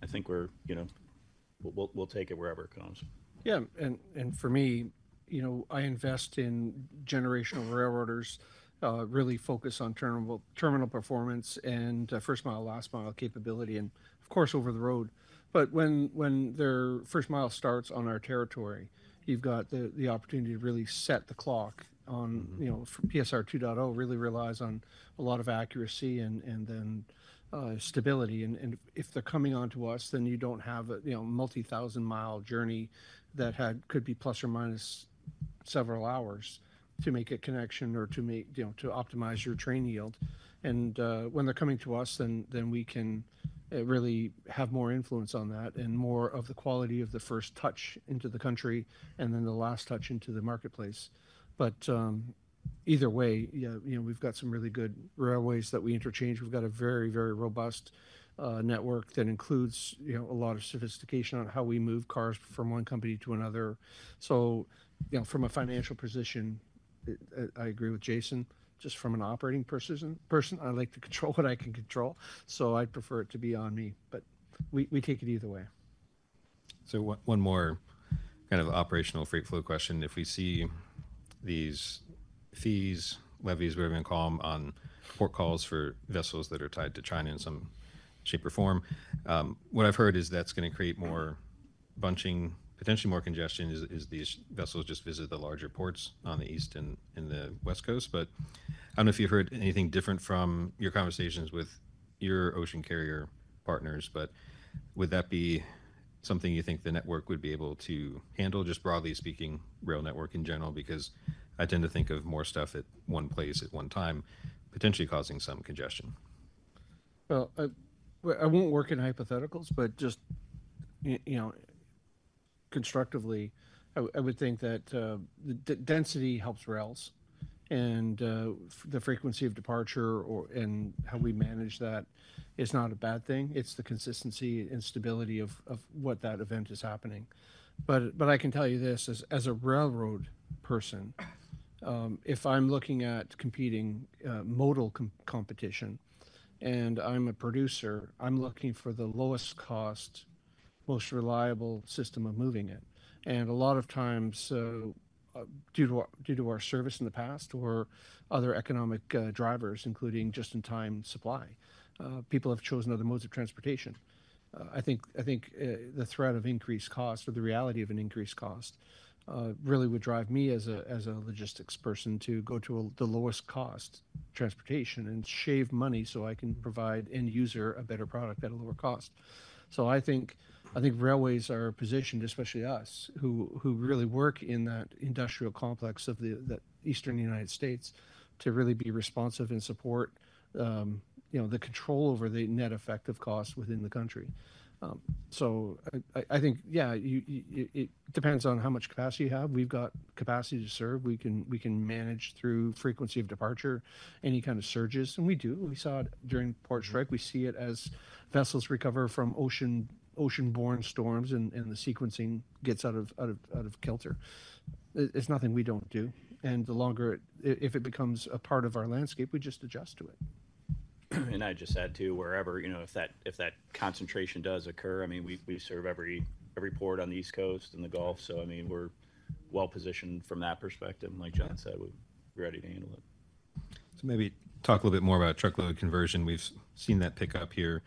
think we'll take it wherever it comes. Yeah. For me, I invest in generational railroaders, really focus on terminal performance and first-mile, last-mile capability, and of course, over the road. When their first mile starts on our territory, you've got the opportunity to really set the clock on PSR 2.0 really relies on a lot of accuracy and then stability. If they're coming on to us, then you don't have a multi-thousand-mile journey that could be plus or minus several hours to make a connection or to optimize your train yield. When they're coming to us, then we can really have more influence on that and more of the quality of the first touch into the country and then the last touch into the marketplace. Either way, we've got some really good railways that we interchange. We've got a very, very robust network that includes a lot of sophistication on how we move cars from one company to another. From a financial position, I agree with Jason. Just from an operating person, I like to control what I can control. I'd prefer it to be on me. We take it either way. One more kind of operational freight flow question. If we see these fees, levies, whatever you want to call them, on port calls for vessels that are tied to China in some shape or form, what I've heard is that's going to create more bunching, potentially more congestion as these vessels just visit the larger ports on the East and the West Coast. I don't know if you've heard anything different from your conversations with your ocean carrier partners, but would that be something you think the network would be able to handle, just broadly speaking, rail network in general? I tend to think of more stuff at one place at one time, potentially causing some congestion. I won't work in hypotheticals, but just constructively, I would think that density helps rails. The frequency of departure and how we manage that is not a bad thing. It's the consistency and stability of what that event is happening. I can tell you this as a railroad person, if I'm looking at competing modal competition and I'm a producer, I'm looking for the lowest cost, most reliable system of moving it. A lot of times, due to our service in the past or other economic drivers, including just-in-time supply, people have chosen other modes of transportation. I think the threat of increased cost or the reality of an increased cost really would drive me as a logistics person to go to the lowest cost transportation and shave money so I can provide end user a better product at a lower cost. I think railways are positioned, especially us who really work in that industrial complex of the Eastern United States, to really be responsive and support the control over the net effect of cost within the country. I think, yeah, it depends on how much capacity you have. We've got capacity to serve. We can manage through frequency of departure, any kind of surges. We do. We saw it during port strike. We see it as vessels recover from ocean-borne storms and the sequencing gets out of kilter. It's nothing we don't do. If it becomes a part of our landscape, we just adjust to it. I'd just add too, wherever, if that concentration does occur, I mean, we serve every port on the East Coast and the Gulf. I mean, we're well-positioned from that perspective. Like John said, we're ready to handle it. Maybe talk a little bit more about truckload conversion. We've seen that pick up here,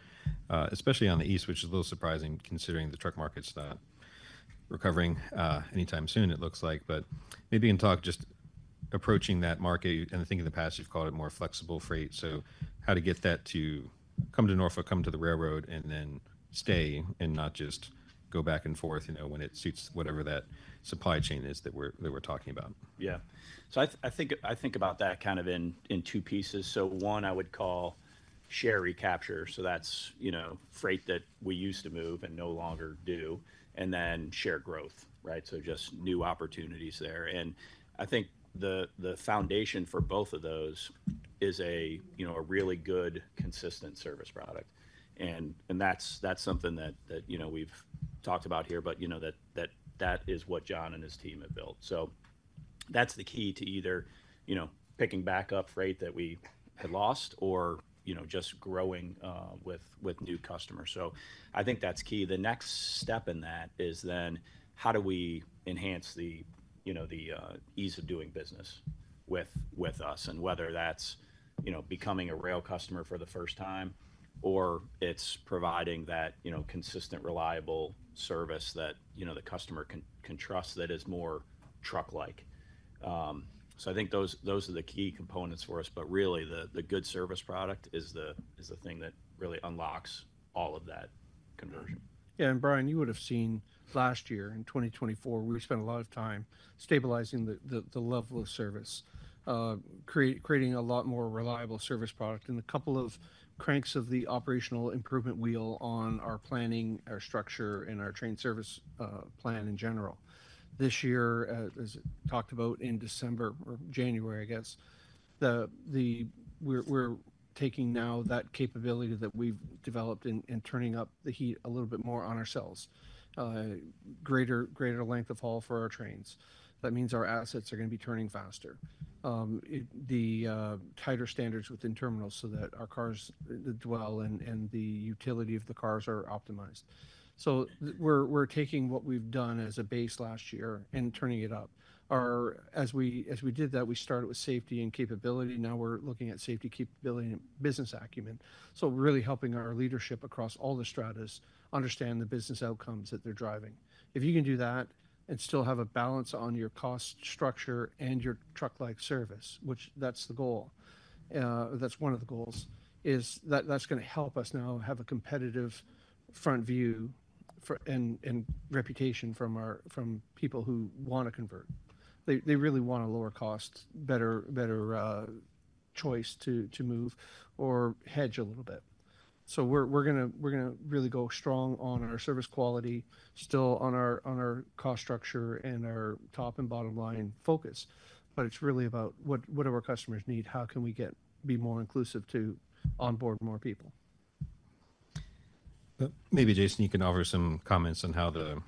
especially on the East, which is a little surprising considering the truck market's not recovering anytime soon, it looks like. Maybe you can talk just approaching that market. I think in the past, you've called it more flexible freight. How to get that to come to Norfolk, come to the railroad, and then stay and not just go back and forth when it suits whatever that supply chain is that we're talking about. Yeah. I think about that kind of in two pieces. One, I would call share recapture. That's freight that we used to move and no longer do, and then share growth, right? Just new opportunities there. I think the foundation for both of those is a really good, consistent service product. That is something that we have talked about here, but that is what John and his team have built. That is the key to either picking back up freight that we had lost or just growing with new customers. I think that is key. The next step in that is then how do we enhance the ease of doing business with us? Whether that is becoming a rail customer for the first time or it is providing that consistent, reliable service that the customer can trust that is more truck-like. I think those are the key components for us. Really, the good service product is the thing that really unlocks all of that conversion. Yeah. Brian, you would have seen last year in 2024, we spent a lot of time stabilizing the level of service, creating a lot more reliable service product and a couple of cranks of the operational improvement wheel on our planning, our structure, and our train service plan in general. This year, as talked about in December or January, I guess, we're taking now that capability that we've developed and turning up the heat a little bit more on ourselves, greater length of haul for our trains. That means our assets are going to be turning faster, the tighter standards within terminals so that our cars dwell and the utility of the cars are optimized. We are taking what we've done as a base last year and turning it up. As we did that, we started with safety and capability. Now we're looking at safety, capability, and business acumen. Really helping our leadership across all the stratas understand the business outcomes that they're driving. If you can do that and still have a balance on your cost structure and your truck-like service, which that's the goal, that's one of the goals, that's going to help us now have a competitive front view and reputation from people who want to convert. They really want a lower cost, better choice to move or hedge a little bit. We are going to really go strong on our service quality, still on our cost structure and our top and bottom line focus. It's really about what do our customers need? How can we be more inclusive to onboard more people? Maybe, Jason, you can offer some comments on how the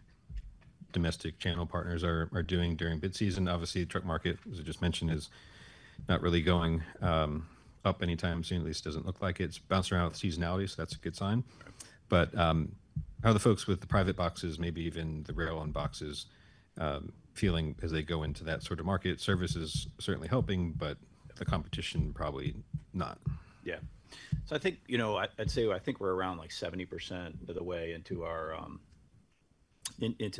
domestic channel partners are doing during bid season. Obviously, the truck market, as I just mentioned, is not really going up anytime soon. At least it does not look like it is bouncing around with seasonality. That is a good sign. How are the folks with the private boxes, maybe even the rail-owned boxes, feeling as they go into that sort of market? Service is certainly helping, but the competition probably not. I think I would say I think we are around 70% of the way into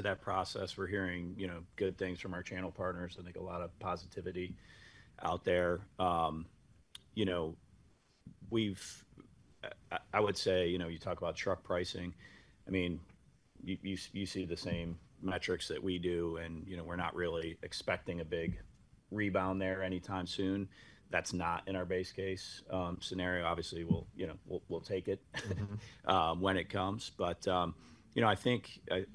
that process. We are hearing good things from our channel partners. I think a lot of positivity out there. I would say you talk about truck pricing. I mean, you see the same metrics that we do, and we are not really expecting a big rebound there anytime soon. That is not in our base case scenario. Obviously, we will take it when it comes. I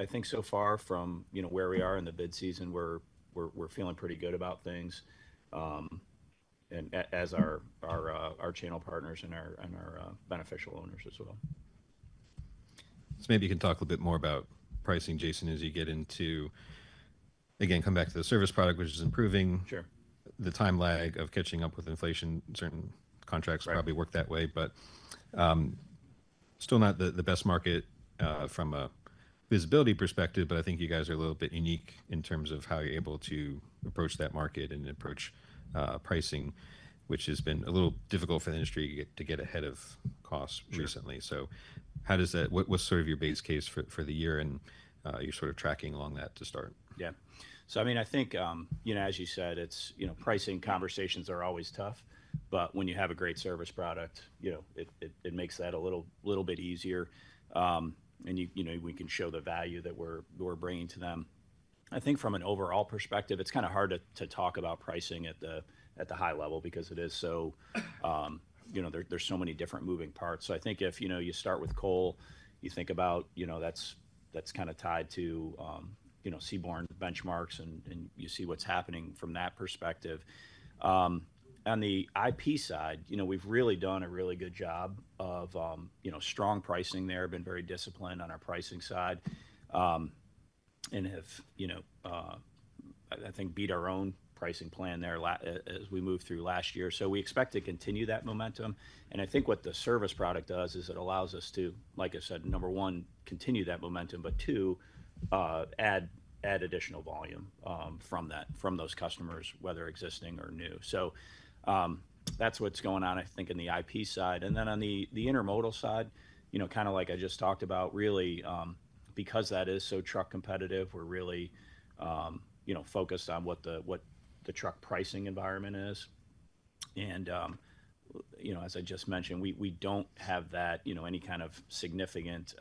think so far from where we are in the bid season, we're feeling pretty good about things as our channel partners and our beneficial owners as well. Maybe you can talk a little bit more about pricing, Jason, as you get into, again, come back to the service product, which is improving. The time lag of catching up with inflation, certain contracts probably work that way, but still not the best market from a visibility perspective. I think you guys are a little bit unique in terms of how you're able to approach that market and approach pricing, which has been a little difficult for the industry to get ahead of cost recently. What's sort of your base case for the year and your sort of tracking along that to start? Yeah. I mean, I think, as you said, pricing conversations are always tough. When you have a great service product, it makes that a little bit easier. We can show the value that we're bringing to them. I think from an overall perspective, it's kind of hard to talk about pricing at the high level because there are so many different moving parts. I think if you start with coal, you think about that's kind of tied to Seaborn benchmarks, and you see what's happening from that perspective. On the IP side, we've really done a really good job of strong pricing there, been very disciplined on our pricing side, and I think beat our own pricing plan there as we moved through last year. We expect to continue that momentum. I think what the service product does is it allows us to, like I said, number one, continue that momentum, but two, add additional volume from those customers, whether existing or new. That is what's going on, I think, in the IP side. On the intermodal side, kind of like I just talked about, really, because that is so truck competitive, we're really focused on what the truck pricing environment is. As I just mentioned, we do not have any kind of significant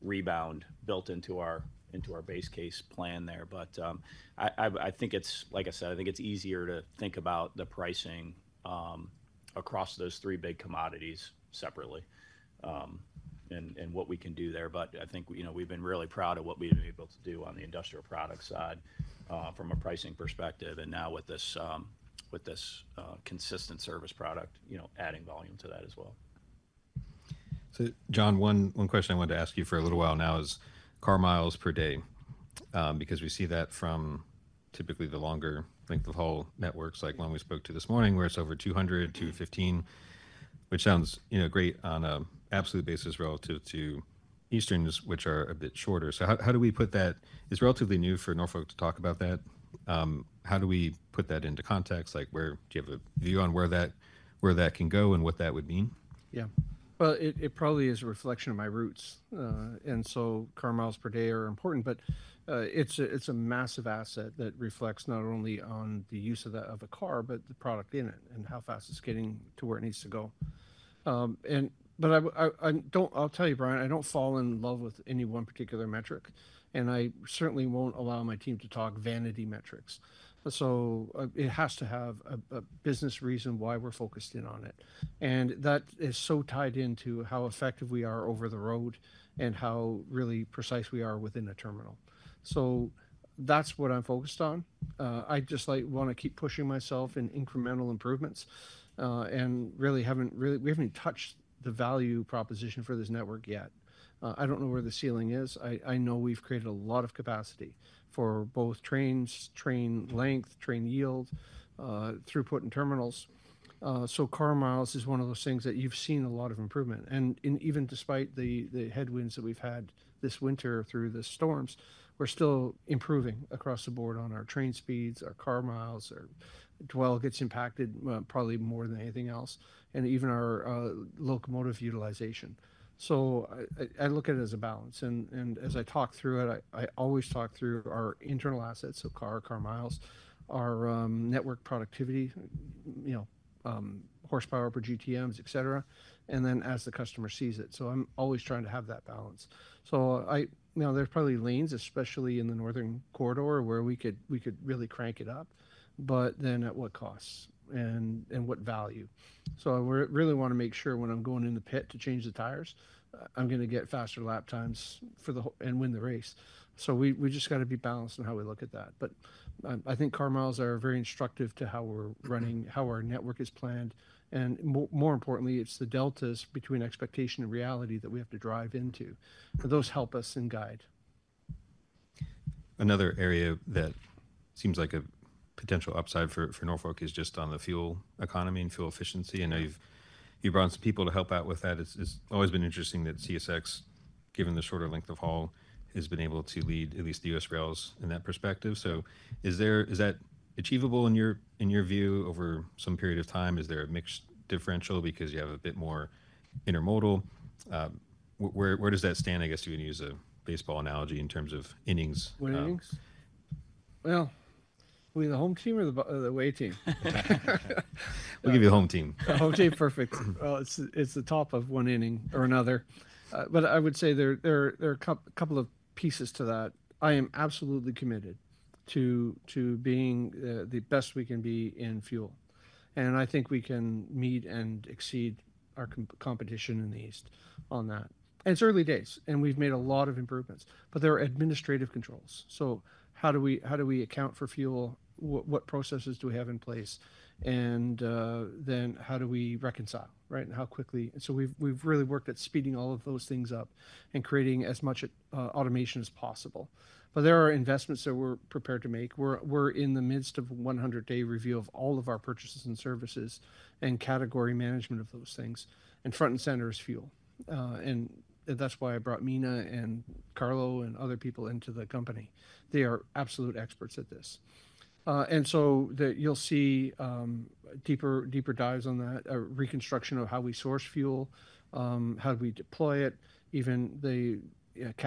rebound built into our base case plan there. I think, like I said, I think it is easier to think about the pricing across those three big commodities separately and what we can do there. I think we have been really proud of what we have been able to do on the industrial product side from a pricing perspective. Now with this consistent service product, adding volume to that as well. John, one question I wanted to ask you for a little while now is car miles per day because we see that from typically the longer length of haul networks, like one we spoke to this morning, where it is over 200-215, which sounds great on an absolute basis relative to Easterns, which are a bit shorter. How do we put that? It is relatively new for Norfolk to talk about that. How do we put that into context? Do you have a view on where that can go and what that would mean? Yeah. It probably is a reflection of my roots. Car miles per day are important, but it's a massive asset that reflects not only on the use of a car, but the product in it and how fast it's getting to where it needs to go. I'll tell you, Brian, I don't fall in love with any one particular metric. I certainly won't allow my team to talk vanity metrics. It has to have a business reason why we're focused in on it. That is so tied into how effective we are over the road and how really precise we are within a terminal. That's what I'm focused on. I just want to keep pushing myself and incremental improvements. Really, we haven't touched the value proposition for this network yet. I don't know where the ceiling is. I know we've created a lot of capacity for both trains, train length, train yield, throughput, and terminals. Car miles is one of those things that you've seen a lot of improvement. Even despite the headwinds that we've had this winter through the storms, we're still improving across the board on our train speeds, our car miles. Dwell gets impacted probably more than anything else, and even our locomotive utilization. I look at it as a balance. As I talk through it, I always talk through our internal assets of car, car miles, our network productivity, horsepower per GTMs, etc., and then as the customer sees it. I'm always trying to have that balance. There's probably lanes, especially in the northern corridor, where we could really crank it up, but then at what cost and what value? I really want to make sure when I'm going in the pit to change the tires, I'm going to get faster lap times and win the race. We just got to be balanced in how we look at that. I think car miles are very instructive to how we're running, how our network is planned. More importantly, it's the deltas between expectation and reality that we have to drive into. Those help us and guide. Another area that seems like a potential upside for Norfolk is just on the fuel economy and fuel efficiency. I know you've brought in some people to help out with that. It's always been interesting that CSX, given the shorter length of haul, has been able to lead at least the U.S. rails in that perspective. Is that achievable in your view over some period of time? Is there a mixed differential because you have a bit more intermodal? Where does that stand? I guess you can use a baseball analogy in terms of innings. What innings? Are we the home team or the away team? We'll give you the home team. Home team, perfect. It is the top of one inning or another. I would say there are a couple of pieces to that. I am absolutely committed to being the best we can be in fuel. I think we can meet and exceed our competition in the East on that. It is early days, and we have made a lot of improvements. There are administrative controls. How do we account for fuel? What processes do we have in place? How do we reconcile, right? How quickly? We have really worked at speeding all of those things up and creating as much automation as possible. There are investments that we are prepared to make. We are in the midst of a 100-day review of all of our purchases and services and category management of those things. Front and center is fuel. That is why I brought Mina and Carlo and other people into the company. They are absolute experts at this. You will see deeper dives on that, a reconstruction of how we source fuel, how we deploy it, even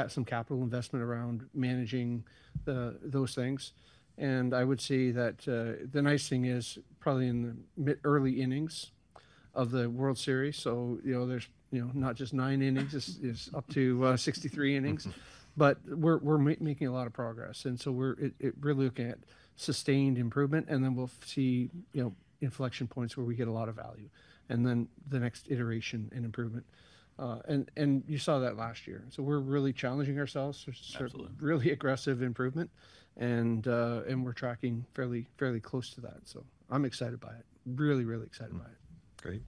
some capital investment around managing those things. I would say that the nice thing is probably in the early innings of the World Series. There are not just nine innings, it is up to 63 innings. We are making a lot of progress. We are really looking at sustained improvement. We will see inflection points where we get a lot of value and then the next iteration and improvement. You saw that last year. We are really challenging ourselves. Absolutely. Really aggressive improvement. We are tracking fairly close to that. I am excited by it. Really, really excited by it. Great.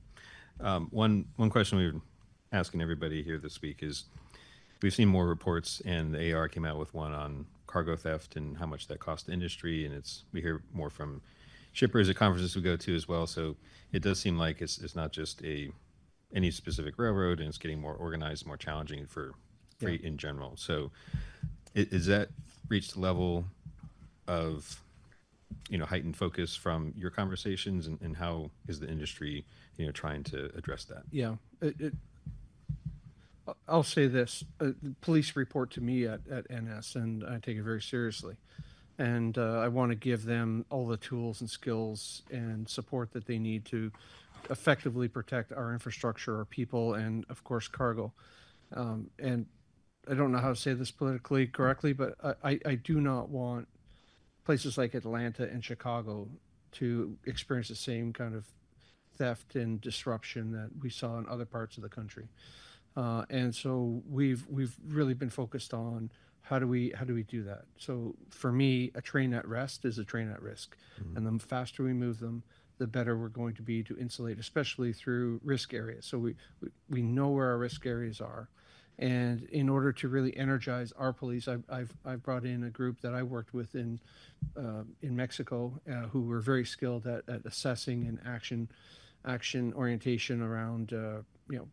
One question we have been asking everybody here this week is we have seen more reports, and the AAR came out with one on cargo theft and how much that costs the industry. We hear more from shippers at conferences we go to as well. It does seem like it is not just any specific railroad, and it is getting more organized, more challenging for freight in general. Has that reached a level of heightened focus from your conversations, and how is the industry trying to address that? Yeah. I will say this. Police report to me at NS, and I take it very seriously. I want to give them all the tools and skills and support that they need to effectively protect our infrastructure, our people, and of course, cargo. I do not know how to say this politically correctly, but I do not want places like Atlanta and Chicago to experience the same kind of theft and disruption that we saw in other parts of the country. We have really been focused on how do we do that. For me, a train at rest is a train at risk. The faster we move them, the better we are going to be to insulate, especially through risk areas. We know where our risk areas are. In order to really energize our police, I have brought in a group that I worked with in Mexico who were very skilled at assessing and action orientation around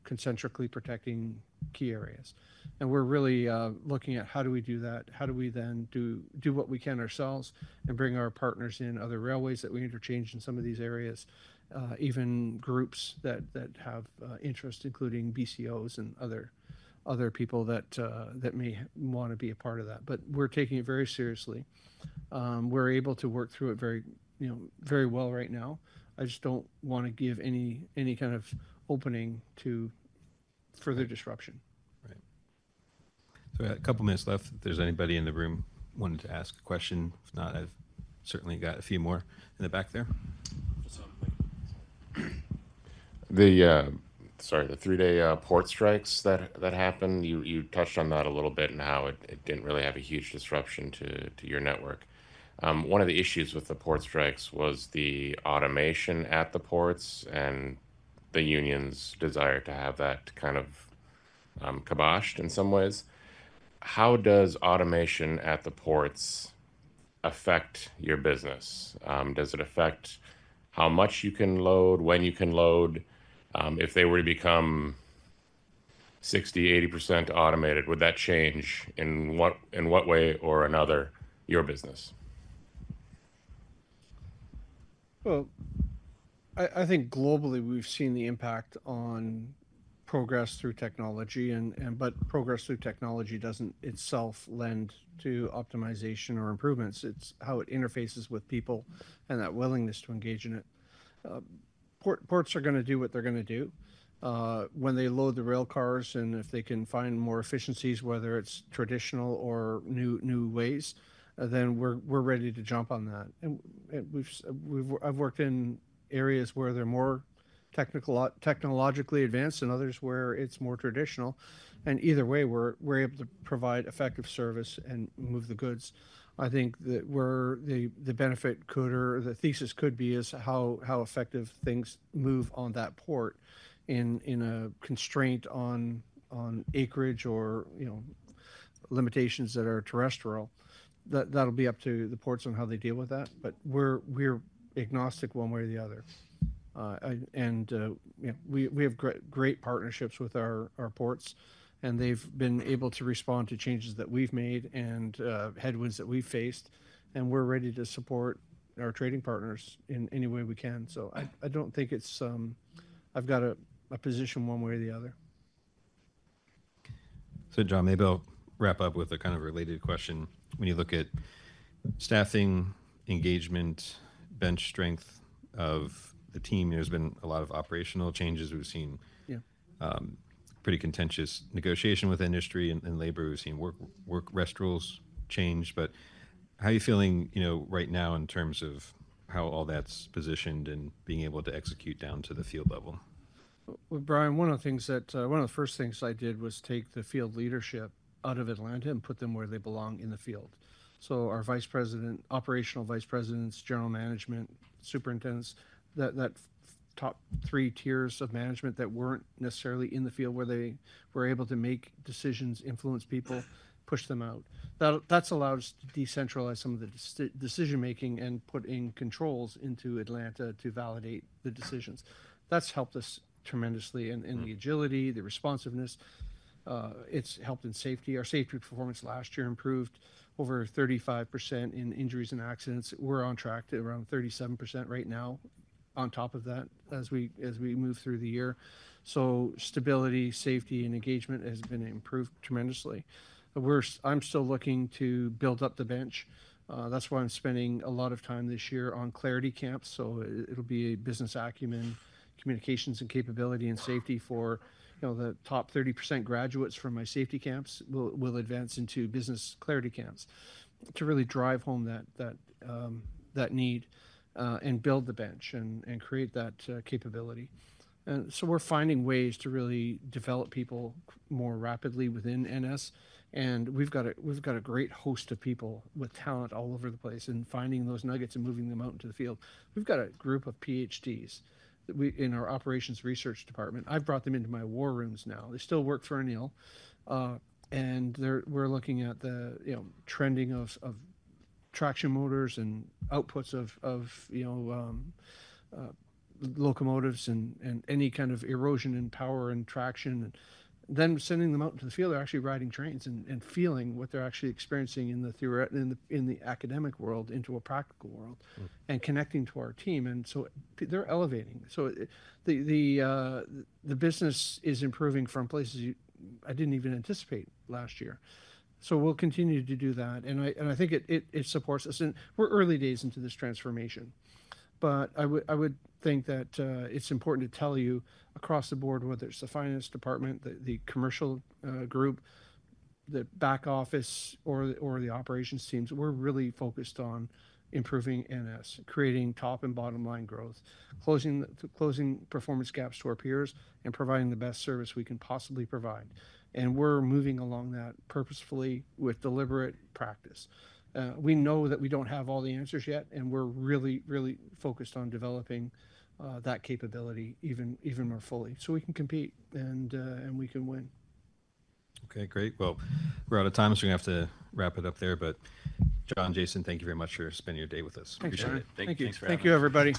concentrically protecting key areas. We are really looking at how do we do that. How do we then do what we can ourselves and bring our partners in other railways that we interchange in some of these areas, even groups that have interest, including BCOs and other people that may want to be a part of that. We are taking it very seriously. We are able to work through it very well right now. I just do not want to give any kind of opening to further disruption. Right. We have a couple of minutes left. If there is anybody in the room wanting to ask a question. If not, I have certainly got a few more in the back there. Sorry, the three-day port strikes that happened, you touched on that a little bit and how it did not really have a huge disruption to your network. One of the issues with the port strikes was the automation at the ports and the union's desire to have that kind of kiboshed in some ways. How does automation at the ports affect your business? Does it affect how much you can load, when you can load? If they were to become 60%-80% automated, would that change in what way or another your business? I think globally, we have seen the impact on progress through technology. Progress through technology does not itself lend to optimization or improvements. It is how it interfaces with people and that willingness to engage in it. Ports are going to do what they are going to do. When they load the rail cars and if they can find more efficiencies, whether it's traditional or new ways, then we're ready to jump on that. I have worked in areas where they're more technologically advanced and others where it's more traditional. Either way, we're able to provide effective service and move the goods. I think that the benefit could, or the thesis could be, is how effective things move on that port in a constraint on acreage or limitations that are terrestrial. That will be up to the ports on how they deal with that. We are agnostic one way or the other. We have great partnerships with our ports, and they have been able to respond to changes that we have made and headwinds that we have faced. We are ready to support our trading partners in any way we can. I don't think I've got a position one way or the other. John, maybe I'll wrap up with a kind of related question. When you look at staffing, engagement, bench strength of the team, there's been a lot of operational changes. We've seen pretty contentious negotiation with industry and labor. We've seen work rest rules change. How are you feeling right now in terms of how all that's positioned and being able to execute down to the field level? Brian, one of the first things I did was take the field leadership out of Atlanta and put them where they belong in the field. Our Vice President, operational vice presidents, general management, superintendents, that top three tiers of management that weren't necessarily in the field where they were able to make decisions, influence people, push them out. That's allowed us to decentralize some of the decision-making and put in controls into Atlanta to validate the decisions. That's helped us tremendously in the agility, the responsiveness. It's helped in safety. Our safety performance last year improved over 35% in injuries and accidents. We're on track to around 37% right now on top of that as we move through the year. Stability, safety, and engagement has been improved tremendously. I'm still looking to build up the bench. That's why I'm spending a lot of time this year on clarity camps. It'll be a business acumen, communications, and capability and safety for the top 30% graduates from my safety camps will advance into business clarity camps to really drive home that need and build the bench and create that capability. We're finding ways to really develop people more rapidly within NS. We have a great host of people with talent all over the place and finding those nuggets and moving them out into the field. We have a group of PhDs in our operations research department. I have brought them into my war rooms now. They still work for O'Neill. We are looking at the trending of traction motors and outputs of locomotives and any kind of erosion in power and traction. Sending them out into the field, they are actually riding trains and feeling what they are actually experiencing in the academic world in a practical world and connecting to our team. They are elevating. The business is improving from places I did not even anticipate last year. We will continue to do that. I think it supports us. We are early days into this transformation. I would think that it's important to tell you across the board, whether it's the finance department, the commercial group, the back office, or the operations teams, we're really focused on improving NS, creating top and bottom line growth, closing performance gaps to our peers, and providing the best service we can possibly provide. We're moving along that purposefully with deliberate practice. We know that we don't have all the answers yet, and we're really, really focused on developing that capability even more fully so we can compete and we can win. Okay. Great. We're out of time, so we have to wrap it up there. John, Jason, thank you very much for spending your day with us. Appreciate it. Thank you. Thank you, everybody.